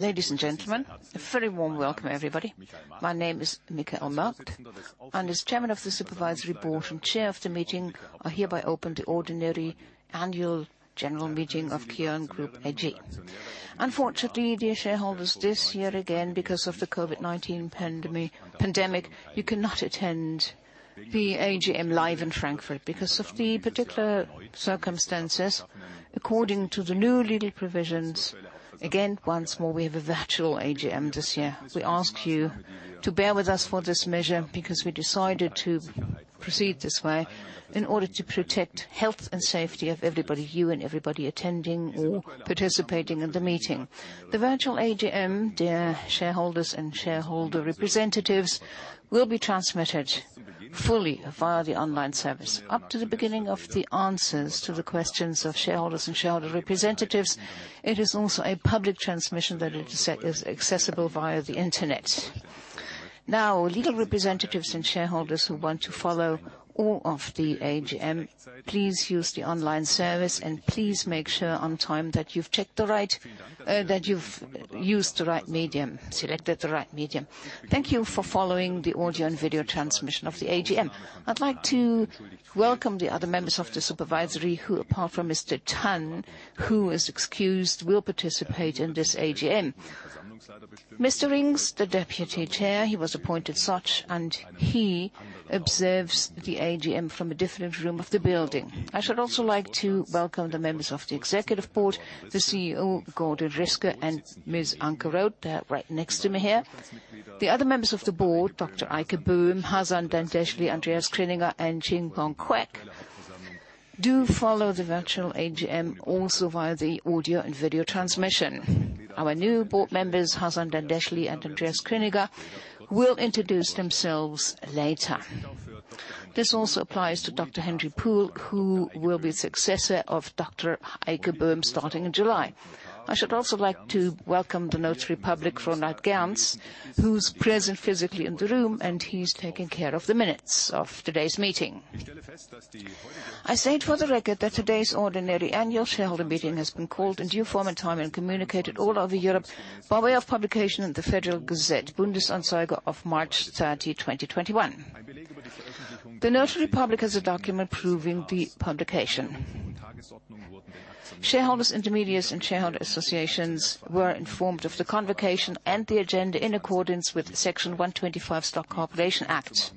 Ladies and gentlemen, a very warm welcome, everybody. My name is Michael Macht, as Chairman of the Supervisory Board and Chair of the meeting, I hereby open the ordinary Annual General Meeting KION GROUP AG. Unfortunately, dear shareholders, this year again, because of the COVID-19 pandemic, you cannot attend the AGM live in Frankfurt. Because of the particular circumstances, according to the new legal provisions, again, once more, we have a virtual AGM this year. We ask you to bear with us for this measure because we decided to proceed this way in order to protect health and safety of everybody, you and everybody attending or participating in the meeting. The virtual AGM, dear shareholders and shareholder representatives, will be transmitted fully via the online service up to the beginning of the answers to the questions of shareholders and shareholder representatives. It is also a public transmission that is accessible via the internet. Legal representatives and shareholders who want to follow all of the AGM, please use the online service and please make sure on time that you've selected the right medium. Thank you for following the audio and video transmission of the AGM. I'd like to welcome the other members of Supervisory Board who, apart from Mr. Tan, who is excused, will participate in this AGM. Mr. Ring, the Deputy Chairman, he was appointed such, and he observes the AGM from a different room of the building. I should also like to welcome the members of the Executive Board, the CEO, Gordon Riske, and Ms. Anke Groth. They are right next to me here. The other members of the board, Dr. Eike Böhm, Hasan Dandashly, Andreas Krinninger, and Ching Pong Quek, do follow the virtual AGM also via the audio and video transmission. Our new board members, Hasan Dandashly and Andreas Krinninger, will introduce themselves later. This also applies to Dr. Henry Puhl, who will be the successor of Dr. Eike Böhm starting in July. I should also like to welcome the Notary Public, Ronald Gerns, who's present physically in the room, and he's taking care of the minutes of today's meeting. I say it for the record that today's ordinary annual shareholder meeting has been called in due form and time and communicated all over Europe by way of publication in the Federal Gazette, Bundesanzeiger of March 30, 2021. The Notary Public has a document proving the publication. Shareholders, intermediaries, and shareholder associations were informed of the convocation and the agenda in accordance with Section 125 Stock Corporation Act.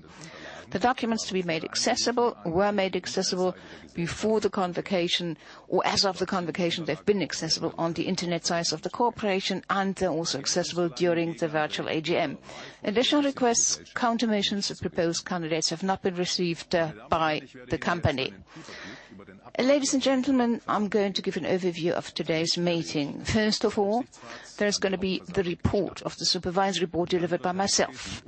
The documents to be made accessible were made accessible before the convocation or as of the convocation. They've been accessible on the internet sites of the corporation, they're also accessible during the virtual AGM. Additional requests, counter motions, proposed candidates have not been received by the company. Ladies and gentlemen, I'm going to give an overview of today's meeting. First of all, there's going to be the report of the Supervisory Board delivered by myself.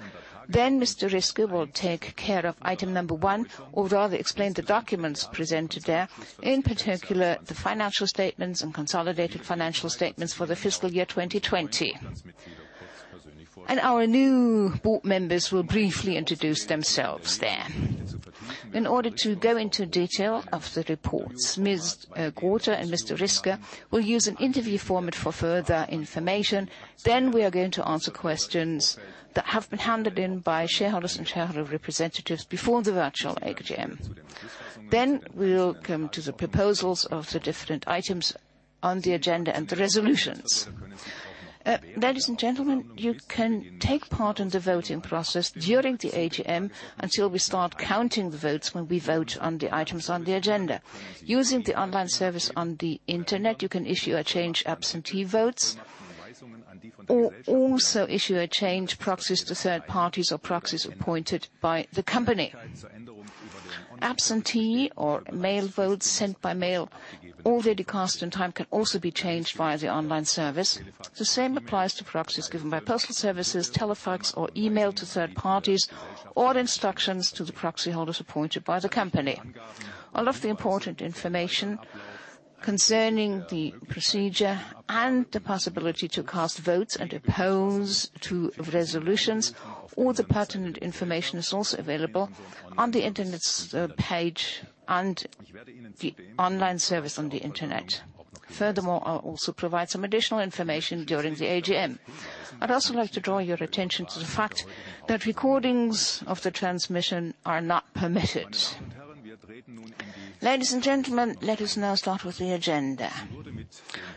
Mr. Riske will take care of item number one, or rather explain the documents presented there, in particular, the financial statements and consolidated financial statements for the fiscal year 2020. Our new board members will briefly introduce themselves then. In order to go into detail of the reports, Mrs. Groth and Mr. Riske will use an interview format for further information. We are going to answer questions that have been handed in by shareholders and shareholder representatives before the virtual AGM. We will come to the proposals of the different items on the agenda and the resolutions. Ladies and gentlemen, you can take part in the voting process during the AGM until we start counting the votes when we vote on the items on the agenda. Using the online service on the internet, you can issue or change absentee votes or also issue or change proxies to third parties or proxies appointed by the company. Absentee or mail votes sent by mail, all ready cost and time can also be changed via the online service. The same applies to proxies given by postal services, telefax, or email to third parties or instructions to the proxy holders appointed by the company. All of the important information concerning the procedure and the possibility to cast votes and oppose to resolutions, all the pertinent information is also available on the internet page and the online service on the internet. Furthermore, I'll also provide some additional information during the AGM. I'd also like to draw your attention to the fact that recordings of the transmission are not permitted. Ladies and gentlemen, let us now start with the agenda.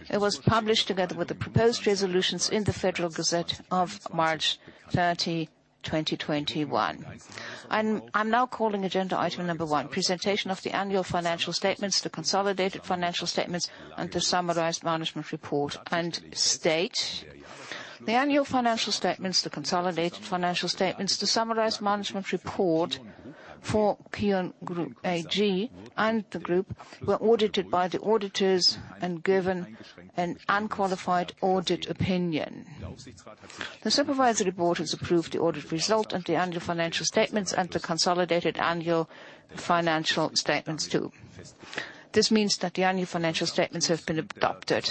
It was published together with the proposed resolutions in the Federal Gazette of March 30, 2021. I'm now calling agenda item number one, presentation of the annual financial statements, the consolidated financial statements, and the summarized management report and state. The annual financial statements, the consolidated financial statements, the summarized management report KION GROUP AG and the group were audited by the auditors and given an unqualified audit opinion. The Supervisory Board has approved the audit result and the annual financial statements and the consolidated annual financial statements, too. This means that the annual financial statements have been adopted.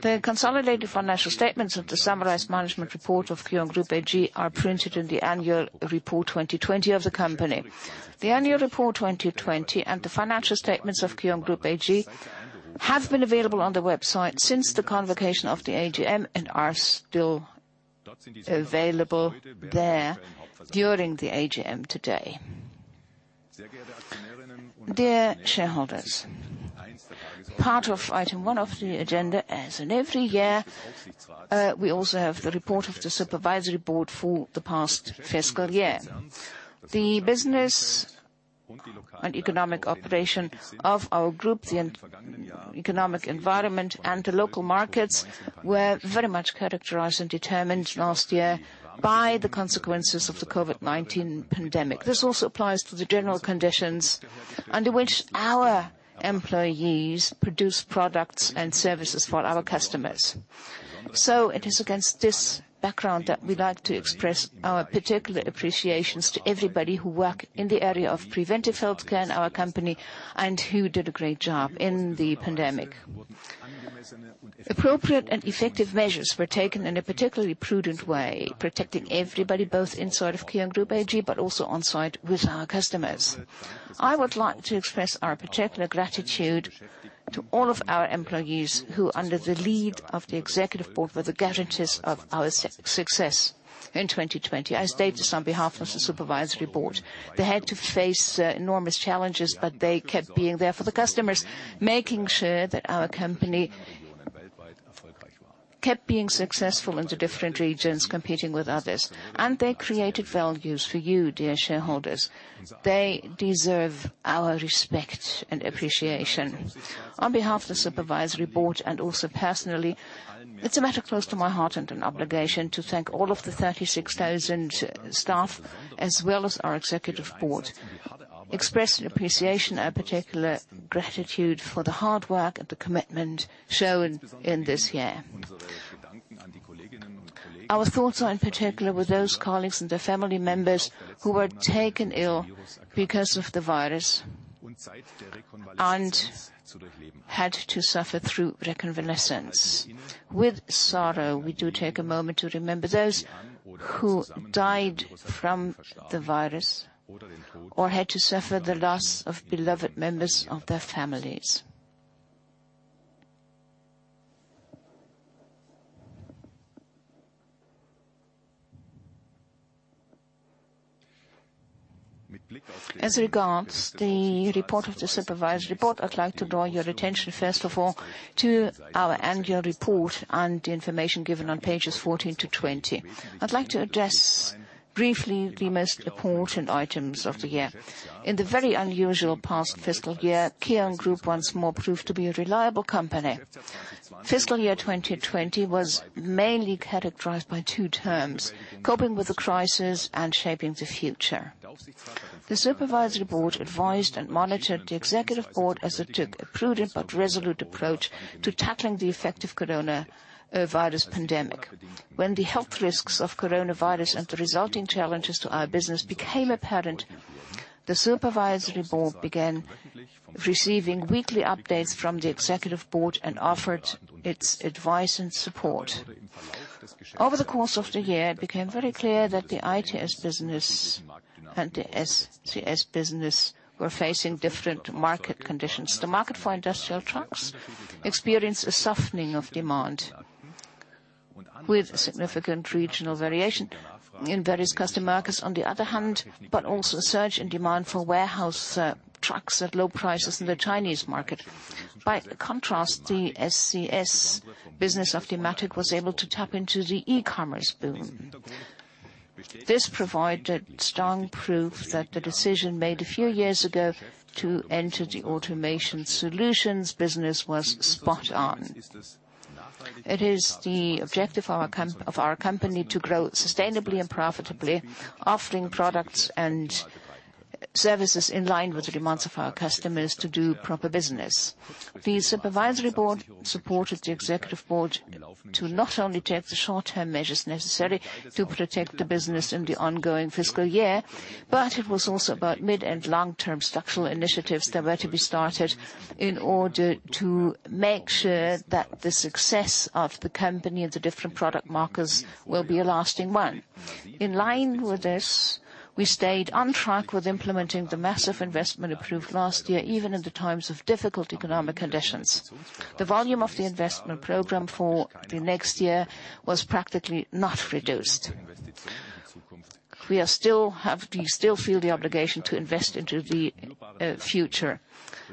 The consolidated financial statements of the summarized management report KION GROUP AG are printed in the annual report 2020 of the company. The annual report 2020 and the financial statements KION GROUP AG have been available on the website since the convocation of the AGM and are still available there during the AGM today. Dear shareholders, part of item one of the agenda, as in every year, we also have the report of the Supervisory Board for the past fiscal year. The business and economic operation of our group, the economic environment, and the local markets were very much characterized and determined last year by the consequences of the COVID-19 pandemic. This also applies to the general conditions under which our employees produce products and services for our customers. It is against this background that we'd like to express our particular appreciations to everybody who work in the area of preventive healthcare in our company, and who did a great job in the pandemic. Appropriate and effective measures were taken in a particularly prudent way, protecting everybody, both inside KION GROUP AG, but also on-site with our customers. I would like to express our particular gratitude to all of our employees, who under the lead of the Executive Board, were the guarantors of our success in 2020. I state this on behalf of the Supervisory Board. They had to face enormous challenges. They kept being there for the customers, making sure that our company kept being successful in the different regions competing with others. They created values for you, dear shareholders. They deserve our respect and appreciation. On behalf of the Supervisory Board and also personally, it's a matter close to my heart and an obligation to thank all of the 36,000 staff, as well as our Executive Board. Expressing appreciation and particular gratitude for the hard work and the commitment shown in this year. Our thoughts are in particular with those colleagues and their family members who were taken ill because of the virus and had to suffer through reconvalescence. With sorrow, we do take a moment to remember those who died from the virus or had to suffer the loss of beloved members of their families. As regards the report of the Supervisory Board, I'd like to draw your attention first of all to our annual report and the information given on pages 14 to 20. I'd like to address briefly the most important items of the year. In the very unusual past fiscal KION GROUP once more proved to be a reliable company. Fiscal year 2020 was mainly characterized by two terms: coping with the crisis and shaping the future. The Supervisory Board advised and monitored the Executive Board as it took a prudent but resolute approach to tackling the effective coronavirus pandemic. When the health risks of coronavirus and the resulting challenges to our business became apparent, the Supervisory Board began receiving weekly updates from the Executive Board and offered its advice and support. Over the course of the year, it became very clear that the ITS business and the SCS business were facing different market conditions. The market for industrial trucks experienced a softening of demand with significant regional variation in various customer markets on the other hand, but also a surge in demand for warehouse trucks at low prices in the Chinese market. By contrast, the SCS business of Dematic was able to tap into the e-commerce boom. This provided strong proof that the decision made a few years ago to enter the automation solutions business was spot on. It is the objective of our company to grow sustainably and profitably, offering products and services in line with the demands of our customers to do proper business. The Supervisory Board supported the Executive Board to not only take the short-term measures necessary to protect the business in the ongoing fiscal year, but it was also about mid- and long-term structural initiatives that were to be started in order to make sure that the success of the company and the different product markets will be a lasting one. In line with this, we stayed on track with implementing the massive investment approved last year, even in the times of difficult economic conditions. The volume of the investment program for the next year was practically not reduced. We still feel the obligation to invest into the future,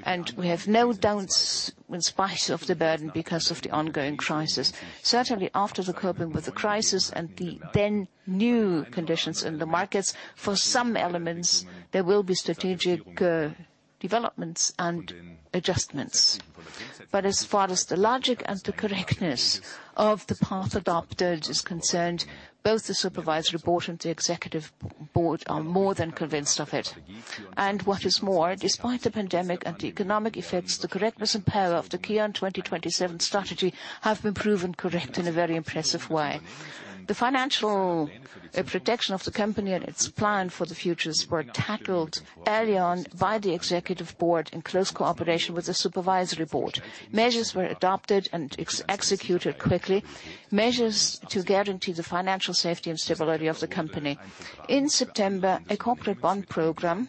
and we have no doubts in spite of the burden because of the ongoing crisis. Certainly after the coping with the crisis and the then new conditions in the markets, for some elements, there will be strategic developments and adjustments. As far as the logic and the correctness of the path adopted is concerned, both the Supervisory Board and the Executive Board are more than convinced of it. What is more, despite the pandemic and the economic effects, the correctness and power of the KION 2027 strategy have been proven correct in a very impressive way. The financial protection of the company and its plan for the future were tackled early on by the Executive Board in close cooperation with the Supervisory Board. Measures were adopted and executed quickly, measures to guarantee the financial safety and stability of the company. In September, a corporate bond program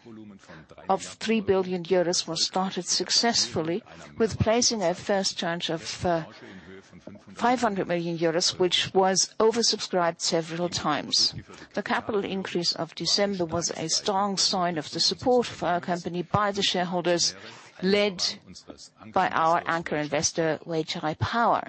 of 3 billion euros was started successfully with placing a first tranche of 500 million euros, which was oversubscribed several times. The capital increase of December was a strong sign of the support for our company by the shareholders, led by our anchor investor, Weichai Power.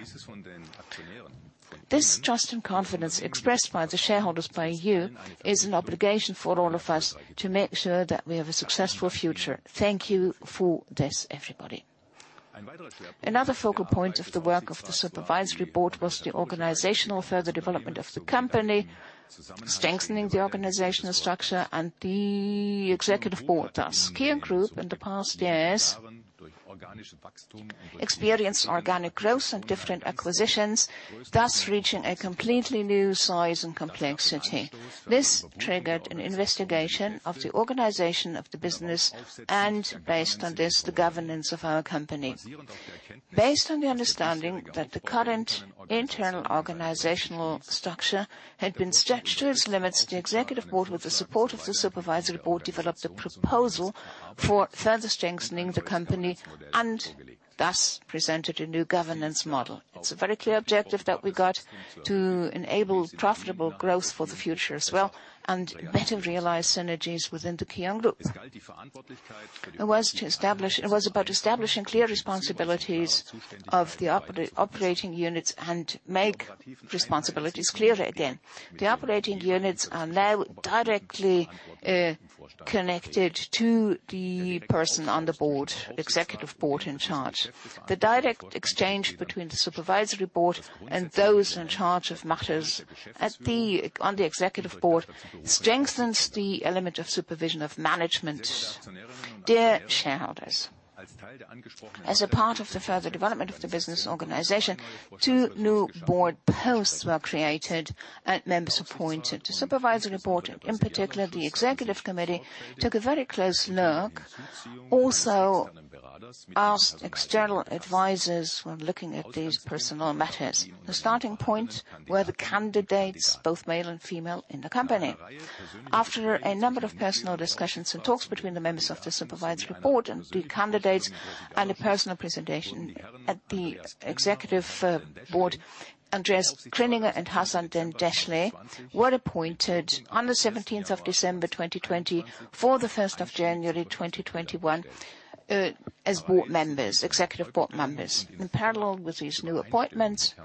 This trust and confidence expressed by the shareholders, by you, is an obligation for all of us to make sure that we have a successful future. Thank you for this, everybody. Another focal point of the work of the Supervisory Board was the organizational further development of the company, strengthening the organizational structure and the Executive Board. KION GROUP in the past years experienced organic growth and different acquisitions, thus reaching a completely new size and complexity. This triggered an investigation of the organization of the business and based on this, the governance of our company. Based on the understanding that the current internal organizational structure had been stretched to its limits, the Executive Board, with the support of the Supervisory Board, developed a proposal for further strengthening the company and thus presented a new governance model. It's a very clear objective that we got to enable profitable growth for the future as well and better realize synergies within KION GROUP. it was about establishing clear responsibilities of the operating units and make responsibilities clear again. The operating units are now directly connected to the person on the Executive Board in charge. The direct exchange between the Supervisory Board and those in charge of matters on the Executive Board strengthens the element of supervision of management. Dear shareholders, as a part of the further development of the business organization, two new board posts were created and members appointed. The Supervisory Board, in particular the executive committee, took a very close look, also asked external advisors when looking at these personal matters. The starting point were the candidates, both male and female, in the company. After a number of personal discussions and talks between the members of the Supervisory Board and the candidates, and a personal presentation at the Executive Board, Andreas Krinninger and Hasan Dandashly were appointed on the 17th of December 2020 for the 1st of January 2021 as Executive Board members. In parallel with these new appointments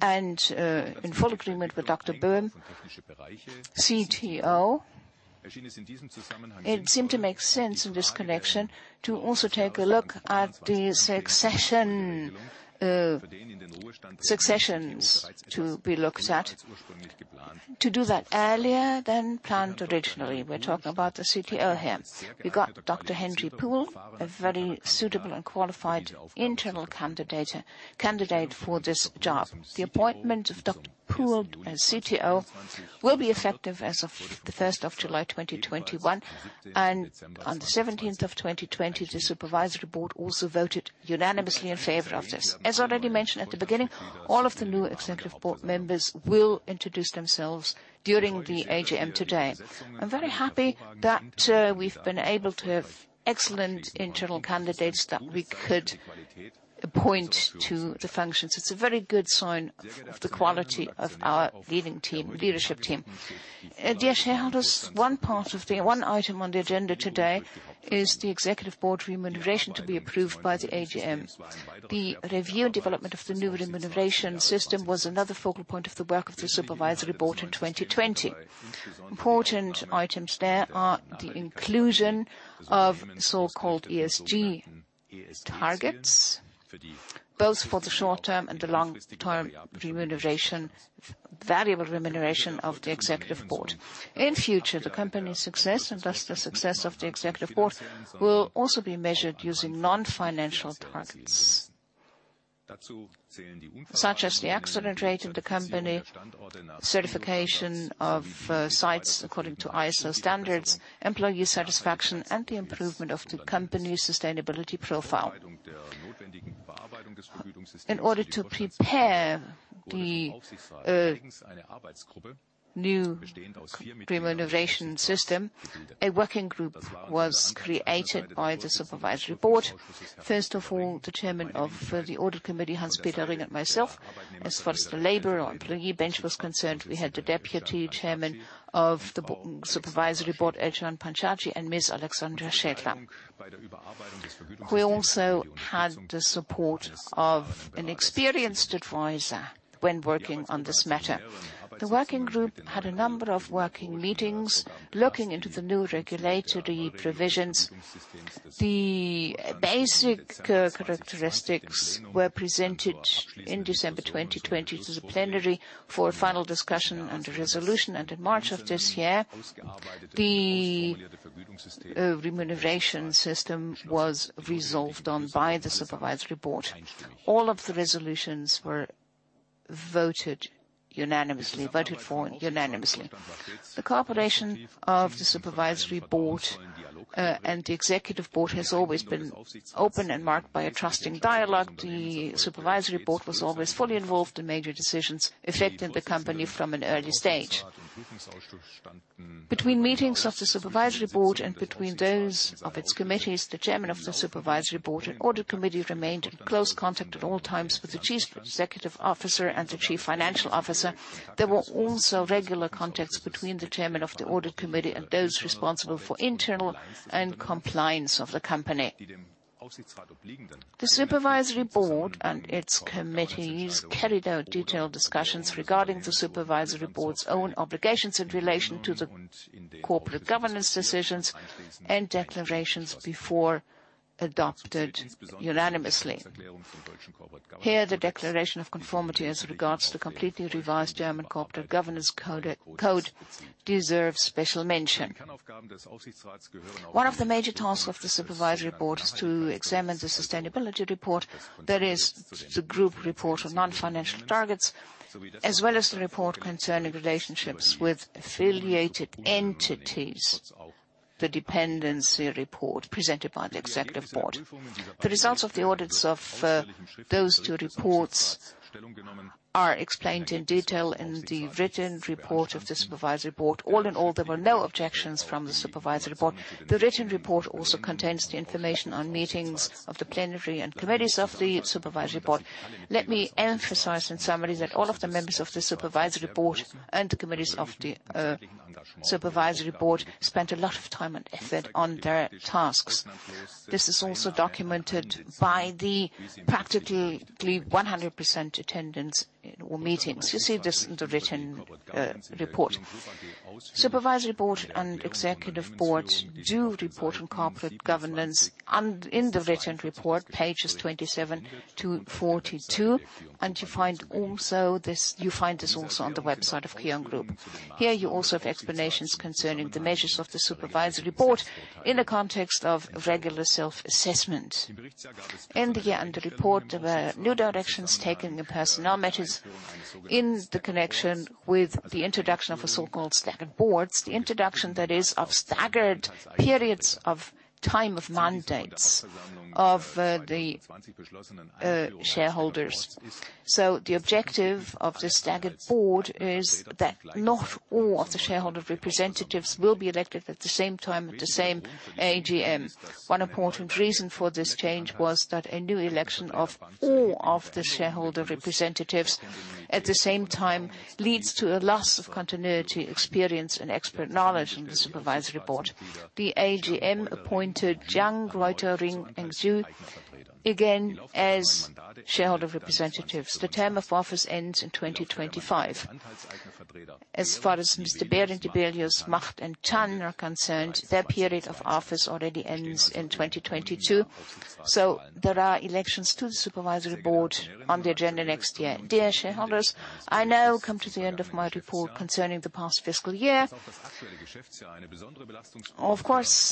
and in full agreement with Dr. Böhm, CTO. It seemed to make sense in this connection to also take a look at the successions to be looked at. To do that earlier than planned originally. We're talking about the CTO here. We got Dr. Henry Puhl, a very suitable and qualified internal candidate for this job. The appointment of Dr. Puhl as CTO will be effective as of the 1st of July 2021, and on the 17th of [December] 2020, the Supervisory Board also voted unanimously in favor of this. As already mentioned at the beginning, all of the new Executive Board members will introduce themselves during the AGM today. I'm very happy that we've been able to have excellent internal candidates that we could appoint to the functions. It's a very good sign of the quality of our leadership team. Dear shareholders, one item on the agenda today is the Executive Board remuneration to be approved by the AGM. The review and development of the new remuneration system was another focal point of the work of the Supervisory Board in 2020. Important items there are the inclusion of so-called ESG targets, both for the short-term and the long-term variable remuneration of the Executive Board. In future, the company's success, and thus the success of the Executive Board, will also be measured using non-financial targets, such as the accident rate of the company, certification of sites according to ISO standards, employee satisfaction, and the improvement of the company's sustainability profile. In order to prepare the new remuneration system, a working group was created by the Supervisory Board. First of all, the Chairman of the Audit Committee, Hans Peter Ring and myself. As far as the labor or employee bench was concerned, we had the Deputy Chairman of the Supervisory Board, Özcan Pancarci and Ms. Alexandra Schädler. We also had the support of an experienced advisor when working on this matter. The working group had a number of working meetings looking into the new regulatory provisions. The basic characteristics were presented in December 2020 to the plenary for final discussion and resolution, and in March of this year, the remuneration system was resolved on by the Supervisory Board. All of the resolutions were voted for unanimously. The cooperation of the Supervisory Board and the Executive Board has always been open and marked by a trusting dialogue. The Supervisory Board was always fully involved in major decisions affecting the company from an early stage. Between meetings of the Supervisory Board and between those of its committees, the Chairman of the Supervisory Board and Audit Committee remained in close contact at all times with the Chief Executive Officer and the Chief Financial Officer. There were also regular contacts between the Chairman of the Audit Committee and those responsible for internal and compliance of the company. The Supervisory Board and its committees carried out detailed discussions regarding the Supervisory Board's own obligations in relation to the corporate governance decisions and declarations before adopted unanimously. Here, the declaration of conformity as regards the completely revised German Corporate Governance Code deserves special mention. One of the major tasks of the Supervisory Board is to examine the sustainability report, that is the group report of non-financial targets, as well as the report concerning relationships with affiliated entities, the dependency report presented by the Executive Board. The results of the audits of those two reports are explained in detail in the written report of the Supervisory Board. All in all, there were no objections from the Supervisory Board. The written report also contains the information on meetings of the plenary and committees of the Supervisory Board. Let me emphasize in summary that all of the members of the Supervisory Board and the committees of the Supervisory Board spent a lot of time and effort on their tasks. This is also documented by the practically 100% attendance in all meetings. You see this in the written report. Supervisory Board and Executive Board do report on Corporate Governance in the written report, pages 27-42, and you find this also on the website KION GROUP. Here you also have explanations concerning the measures of the Supervisory Board in the context of regular self-assessment. In the annual report, there were new directions taken in personnel matters in the connection with the introduction of a so-called staggered board, the introduction that is of staggered periods of time of mandates of the shareholders. The objective of the staggered board is that not all of the shareholder representatives will be elected at the same time at the same AGM. One important reason for this change was that a new election of all of the shareholder representatives at the same time leads to a loss of continuity, experience, and expert knowledge in the Supervisory Board. The AGM appointed Jiang, Reuter, Ring and Xu again as shareholder representatives. The term of office ends in 2025. As far as Mr. Behrendt, Dibelius, Macht and Tan are concerned, their period of office already ends in 2022. There are elections to the Supervisory Board on the agenda next year. Dear shareholders, I now come to the end of my report concerning the past fiscal year.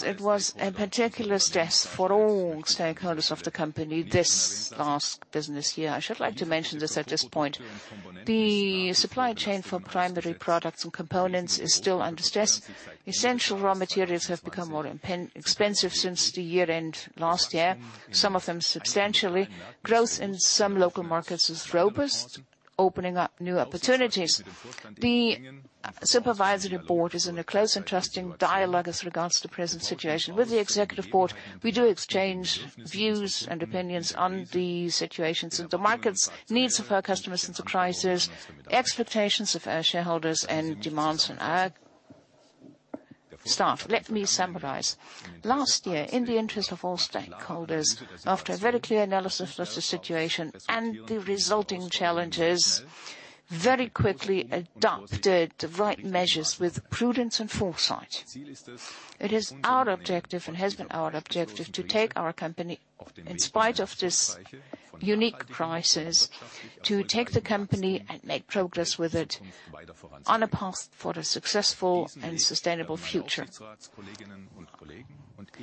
It was a particular stress for all stakeholders of the company this last business year. I should like to mention this at this point, the supply chain for primary products and components is still under stress. Essential raw materials have become more expensive since the year end last year, some of them substantially. Growth in some local markets is robust, opening up new opportunities. The Supervisory Board is in a close and trusting dialogue as regards the present situation with the Executive Board. We do exchange views and opinions on the situations and the market's needs of our customers and the crisis, expectations of our shareholders, and demands on our staff. Let me summarize. Last year, in the interest of all stakeholders, after a very clear analysis of the situation and the resulting challenges, very quickly adopted the right measures with prudence and foresight. It is our objective and has been our objective to take our company, in spite of this unique crisis, to take the company and make progress with it on a path for the successful and sustainable future.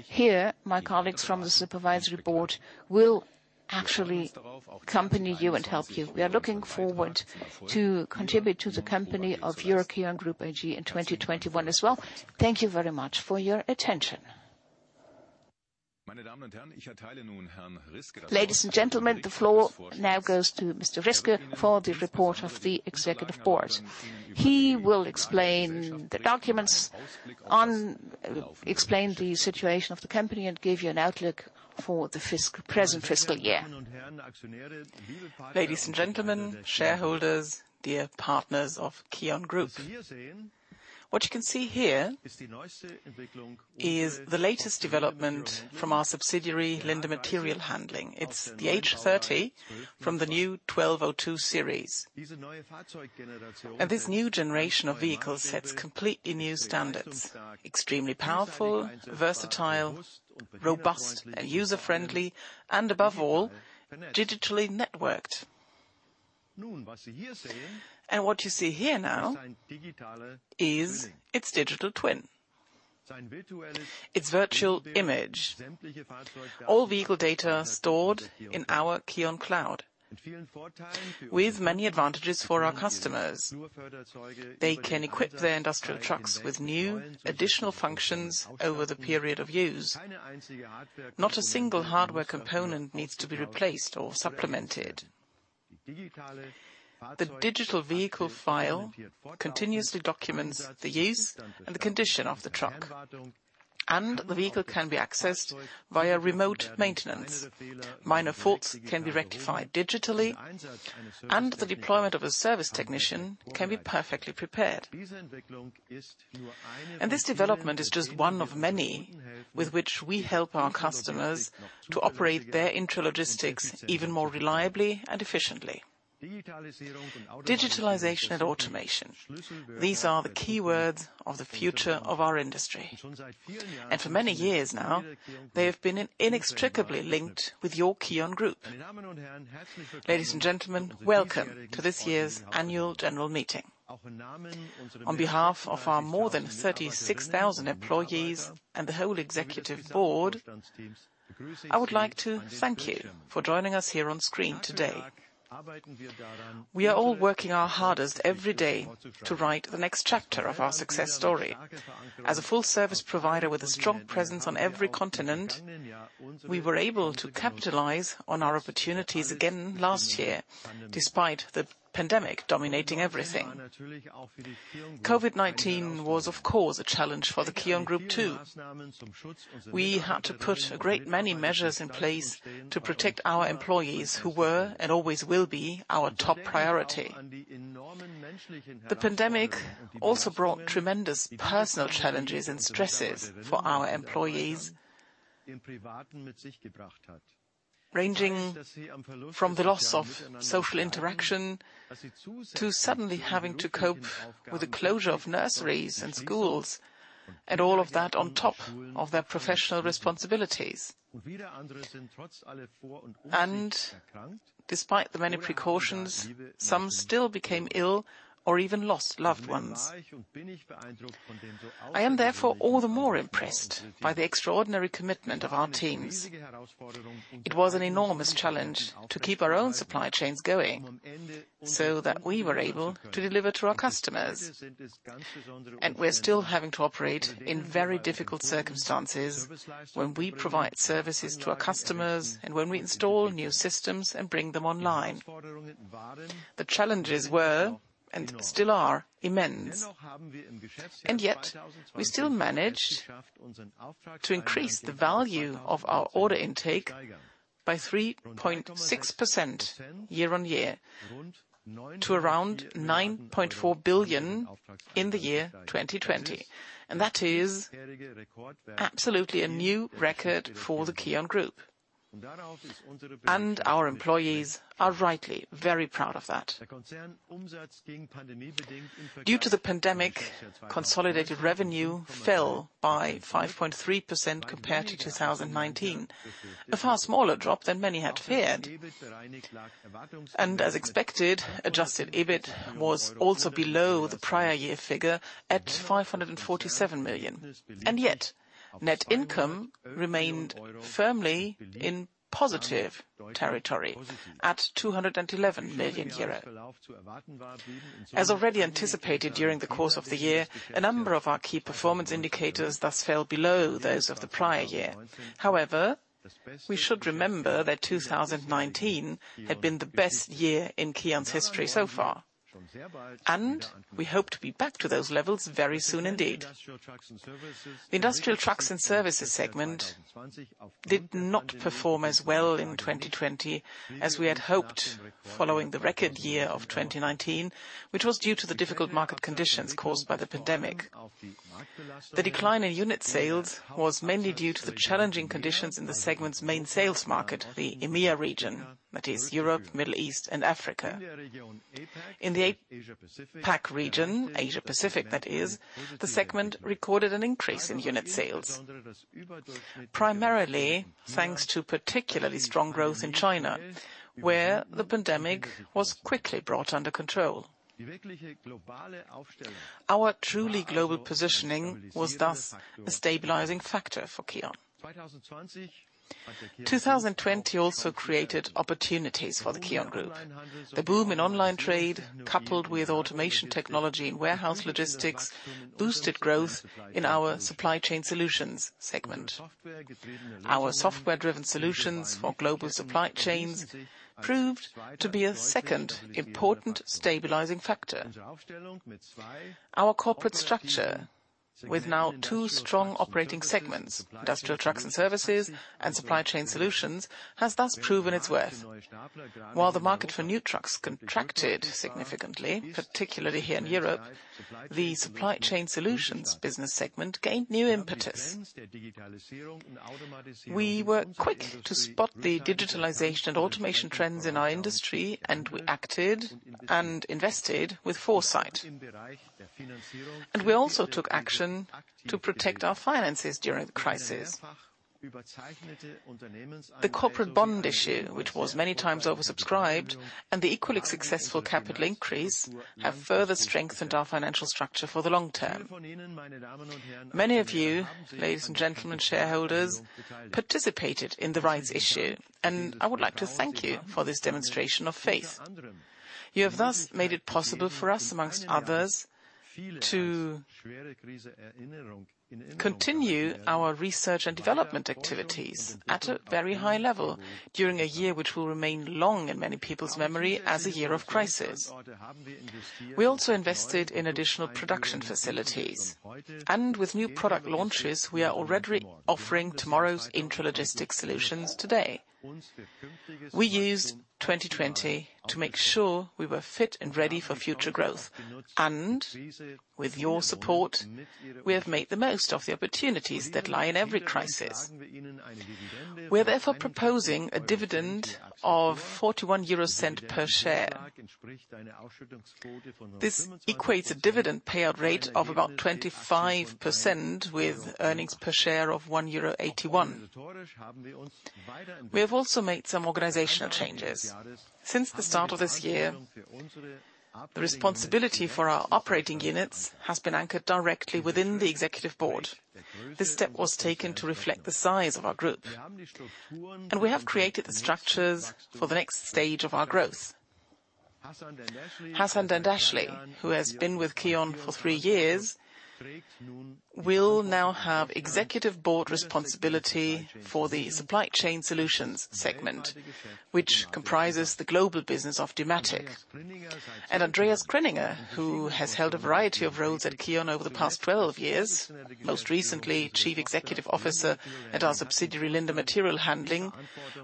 Here, my colleagues from the Supervisory Board will actually accompany you and help you. We are looking forward to contribute to the company of KION GROUP AG in 2021 as well. Thank you very much for your attention. Ladies and gentlemen, the floor now goes to Mr. Riske for the report of the Executive Board. He will explain the documents and explain the situation of the company and give you an outlook for the present fiscal year. Ladies and gentlemen, shareholders, dear partners KION GROUP. What you can see here is the latest development from our subsidiary, Linde Material Handling. It's the H30 from the new 1202 series. This new generation of vehicles sets completely new standards: extremely powerful, versatile, robust, and user-friendly, and above all, digitally networked. What you see here now is its digital twin, its virtual image. All vehicle data stored in our KION Cloud. With many advantages for our customers. They can equip their industrial trucks with new additional functions over the period of use. Not a single hardware component needs to be replaced or supplemented. The digital vehicle file continuously documents the use and the condition of the truck, the vehicle can be accessed via remote maintenance. Minor faults can be rectified digitally, the deployment of a service technician can be perfectly prepared. This development is just one of many with which we help our customers to operate their intralogistics even more reliably and efficiently. Digitalization and automation, these are the keywords of the future of our industry. For many years now, they have been inextricably linked with KION GROUP. Ladies and gentlemen, welcome to this year's Annual General Meeting. On behalf of our more than 36,000 employees and the whole Executive Board, I would like to thank you for joining us here on screen today. We are all working our hardest every day to write the next chapter of our success story. As a full service provider with a strong presence on every continent, we were able to capitalize on our opportunities again last year, despite the pandemic dominating everything. COVID-19 was, of course, a challenge for KION GROUP, too. We had to put a great many measures in place to protect our employees, who were, and always will be, our top priority. The pandemic also brought tremendous personal challenges and stresses for our employees, ranging from the loss of social interaction to suddenly having to cope with the closure of nurseries and schools, and all of that on top of their professional responsibilities. Despite the many precautions, some still became ill or even lost loved ones. I am therefore all the more impressed by the extraordinary commitment of our teams. It was an enormous challenge to keep our own supply chains going so that we were able to deliver to our customers. We're still having to operate in very difficult circumstances when we provide services to our customers and when we install new systems and bring them online. The challenges were, and still are, immense. Yet, we still managed to increase the value of our order intake by 3.6% year-on-year to around 9.4 billion in the year 2020. That is absolutely a new record for KION GROUP. Our employees are rightly very proud of that. Due to the pandemic, consolidated revenue fell by 5.3% compared to 2019, a far smaller drop than many had feared. As expected, Adjusted EBIT was also below the prior year figure at 547 million, yet net income remained firmly in positive territory at 211 million euros. As already anticipated during the course of the year, a number of our key performance indicators thus fell below those of the prior year. However, we should remember that 2019 had been the best year in KION's history so far. We hope to be back to those levels very soon indeed. The industrial trucks and services segment did not perform as well in 2020 as we had hoped following the record year of 2019, which was due to the difficult market conditions caused by the pandemic. The decline in unit sales was mainly due to the challenging conditions in the segment's main sales market, the EMEA region, that is Europe, Middle East, and Africa. In the APAC region, Asia Pacific that is, the segment recorded an increase in unit sales, primarily thanks to particularly strong growth in China, where the pandemic was quickly brought under control. Our truly global positioning was thus a stabilizing factor for KION. 2020 also created opportunities for KION GROUP. The boom in online trade, coupled with automation technology and warehouse logistics, boosted growth in our supply chain solutions segment. Our software-driven solutions for global supply chains proved to be a second important stabilizing factor. Our corporate structure, with now two strong operating segments, Industrial Trucks and Services and Supply Chain Solutions, has thus proven its worth. While the market for new trucks contracted significantly, particularly here in Europe, the Supply Chain Solutions business segment gained new impetus. We were quick to spot the digitalization and automation trends in our industry, we acted and invested with foresight. We also took action to protect our finances during the crisis. The corporate bond issue, which was many times oversubscribed, and the equally successful capital increase have further strengthened our financial structure for the long term. Many of you, ladies and gentlemen shareholders, participated in the rights issue, I would like to thank you for this demonstration of faith. You have thus made it possible for us, amongst others, to continue our research and development activities at a very high level during a year which will remain long in many people's memory as a year of crisis. We also invested in additional production facilities, and with new product launches, we are already offering tomorrow's intralogistics solutions today. We used 2020 to make sure we were fit and ready for future growth, and with your support, we have made the most of the opportunities that lie in every crisis. We are therefore proposing a dividend of 0.41 per share. This equates a dividend payout rate of about 25% with earnings per share of 1.81 euro. We have also made some organizational changes. Since the start of this year, the responsibility for our operating units has been anchored directly within the Executive Board. This step was taken to reflect the size of our group. We have created the structures for the next stage of our growth. Hasan Dandashly, who has been with KION for three years, will now have Executive Board responsibility for the Supply Chain Solutions segment, which comprises the global business of Dematic. Andreas Krinninger, who has held a variety of roles at KION over the past 12 years, most recently Chief Executive Officer at our subsidiary Linde Material Handling,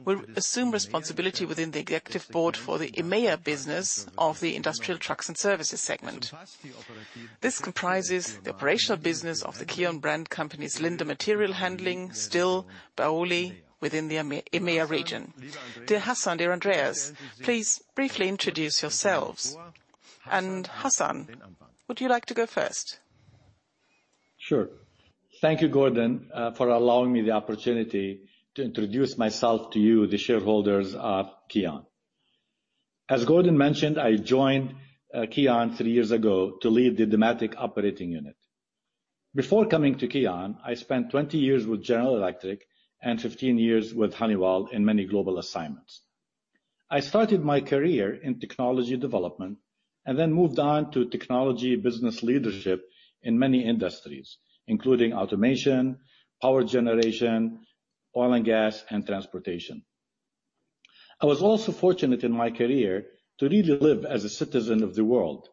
will assume responsibility within the Executive Board for the EMEA business of the Industrial Trucks and Services segment. This comprises the operational business of the KION brand companies Linde Material Handling, STILL, Baoli within the EMEA region. Dear Hasan, dear Andreas, please briefly introduce yourselves. Hasan, would you like to go first? Sure. Thank you, Gordon, for allowing me the opportunity to introduce myself to you, the shareholders of KION. As Gordon mentioned, I joined KION three years ago to lead the Dematic operating unit. Before coming to KION, I spent 20 years with General Electric and 15 years with Honeywell in many global assignments. I started my career in technology development and then moved on to technology business leadership in many industries, including automation, power generation, oil and gas, and transportation. I was also fortunate in my career to really live as a citizen of the world,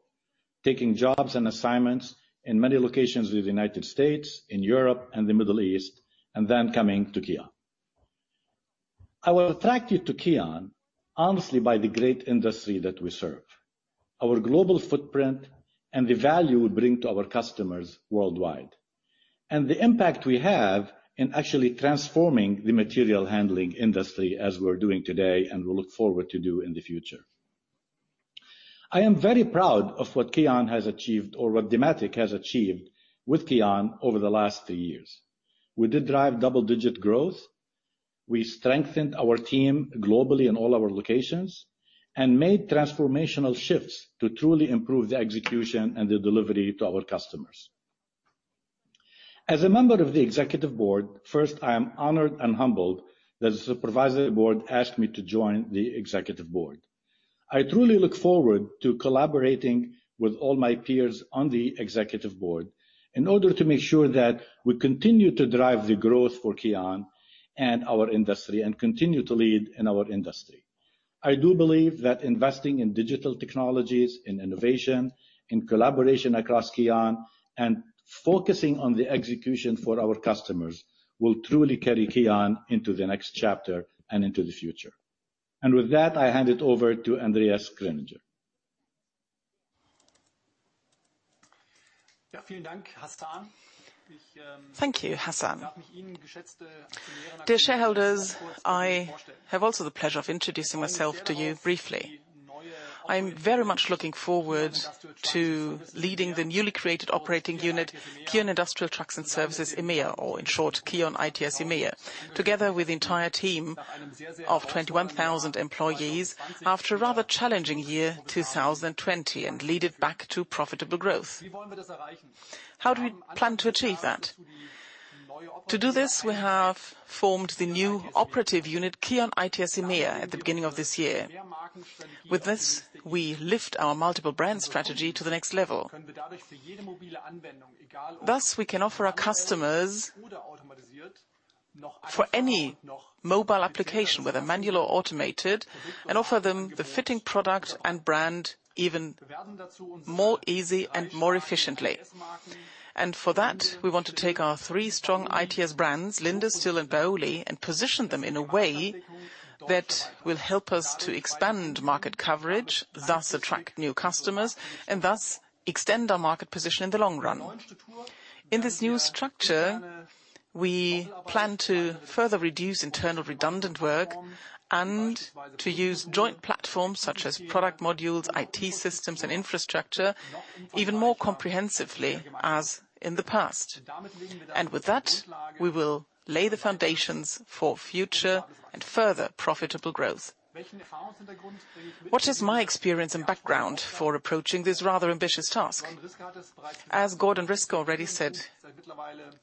taking jobs and assignments in many locations in the United States, in Europe and the Middle East, and then coming to KION. I was attracted to KION, honestly, by the great industry that we serve, our global footprint, and the value we bring to our customers worldwide. The impact we have in actually transforming the material handling industry as we are doing today and we look forward to do in the future. I am very proud of what KION has achieved or what Dematic has achieved with KION over the last three years. We did drive double-digit growth. We strengthened our team globally in all our locations and made transformational shifts to truly improve the execution and the delivery to our customers. As a member of the Executive Board, first, I am honored and humbled that the Supervisory Board asked me to join the Executive Board. I truly look forward to collaborating with all my peers on the Executive Board in order to make sure that we continue to drive the growth for KION and our industry, and continue to lead in our industry. I do believe that investing in digital technologies, in innovation, in collaboration across KION, and focusing on the execution for our customers will truly carry KION into the next chapter and into the future. With that, I hand it over to Andreas Krinninger. Thank you, Hasan. Dear shareholders, I have also the pleasure of introducing myself to you briefly. I'm very much looking forward to leading the newly created operating unit, KION Industrial Trucks and Services EMEA, or in short, KION ITS EMEA, together with the entire team of 21,000 employees after a rather challenging year 2020, and lead it back to profitable growth. How do we plan to achieve that? To do this, we have formed the new operative unit, KION ITS EMEA, at the beginning of this year. With this, we lift our multiple brand strategy to the next level. Thus, we can offer our customers for any mobile application, whether manual or automated, and offer them the fitting product and brand even more easy and more efficiently. For that, we want to take our three strong ITS brands, Linde, STILL, and Baoli, and position them in a way that will help us to expand market coverage, thus attract new customers, and thus extend our market position in the long run. In this new structure, we plan to further reduce internal redundant work and to use joint platforms such as product modules, IT systems, and infrastructure even more comprehensively as in the past. With that, we will lay the foundations for future and further profitable growth. What is my experience and background for approaching this rather ambitious task? As Gordon Riske already said,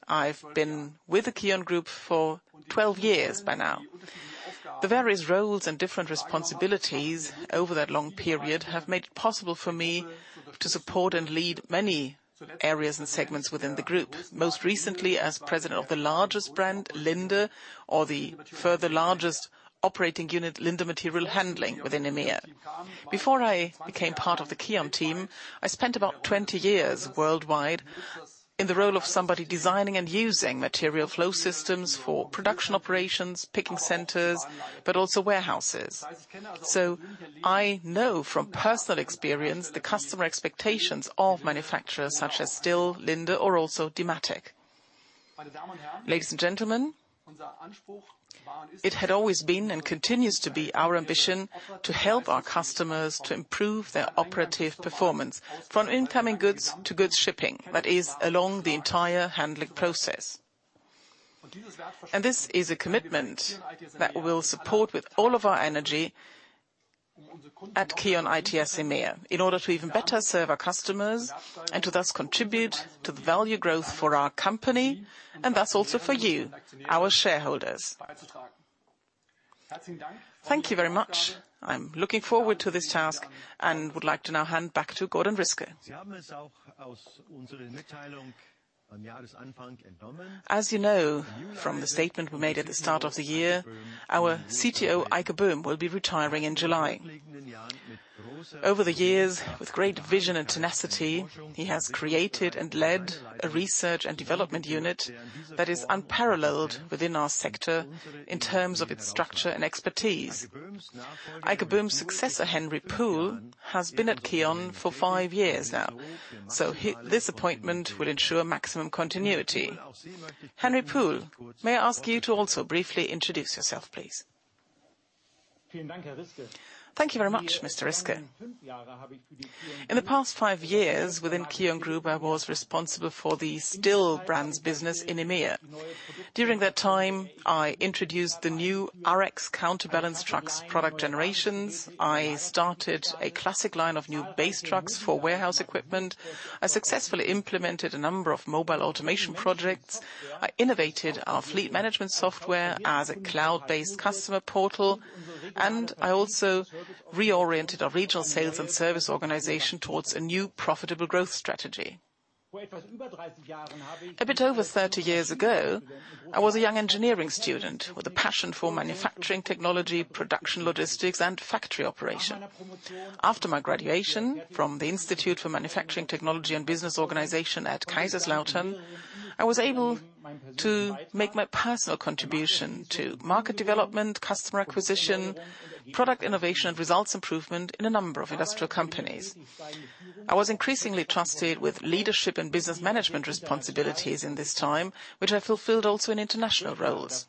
I've been with KION GROUP for 12 years by now. The various roles and different responsibilities over that long period have made it possible for me to support and lead many areas and segments within the group. Most recently, as President of the largest brand, Linde, or the further largest operating unit, Linde Material Handling within EMEA. Before I became part of the KION team, I spent about 20 years worldwide in the role of somebody designing and using material flow systems for production operations, picking centers, but also warehouses. I know from personal experience the customer expectations of manufacturers such as STILL, Linde, or also Dematic. Ladies and gentlemen, it had always been and continues to be our ambition to help our customers to improve their operative performance from incoming goods to goods shipping. That is, along the entire handling process. This is a commitment that we'll support with all of our energy at KION ITS EMEA, in order to even better serve our customers and to thus contribute to the value growth for our company, and thus also for you, our shareholders. Thank you very much. I'm looking forward to this task and would like to now hand back to Gordon Riske. As you know from the statement we made at the start of the year, our CTO, Eike Böhm, will be retiring in July. Over the years, with great vision and tenacity, he has created and led a research and development unit that is unparalleled within our sector in terms of its structure and expertise. Eike Böhm's successor, Henry Puhl, has been at KION for five years now, so this appointment will ensure maximum continuity. Henry Puhl, may I ask you to also briefly introduce yourself, please? Thank you very much, Mr. Riske. In the past five years within KION GROUP, I was responsible for the STILL brands business in EMEA. During that time, I introduced the new RX counterbalance trucks product generations. I started a Classic Line of new base trucks for warehouse equipment. I successfully implemented a number of mobile automation projects. I innovated our fleet management software as a cloud-based customer portal, and I also reoriented our regional sales and service organization towards a new profitable growth strategy. A bit over 30 years ago, I was a young engineering student with a passion for manufacturing technology, production logistics, and factory operation. After my graduation from the Institute for Manufacturing Technology and Business Organization at Kaiserslautern, I was able to make my personal contribution to market development, customer acquisition, product innovation, and results improvement in a number of industrial companies. I was increasingly trusted with leadership and business management responsibilities in this time, which I fulfilled also in international roles.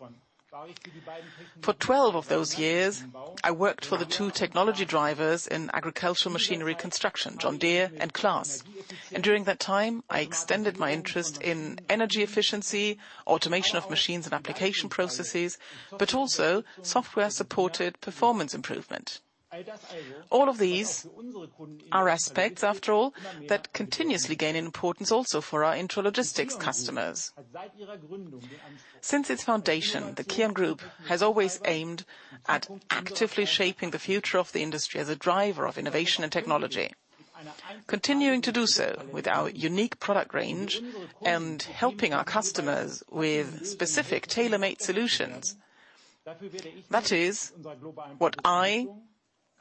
For 12 of those years, I worked for the two technology drivers in agricultural machinery construction, John Deere and CLAAS. During that time, I extended my interest in energy efficiency, automation of machines and application processes, but also software-supported performance improvement. All of these are aspects, after all, that continuously gain in importance also for our intralogistics customers. Since its foundation, KION GROUP has always aimed at actively shaping the future of the industry as a driver of innovation and technology. Continuing to do so with our unique product range and helping our customers with specific tailor-made solutions, that is what I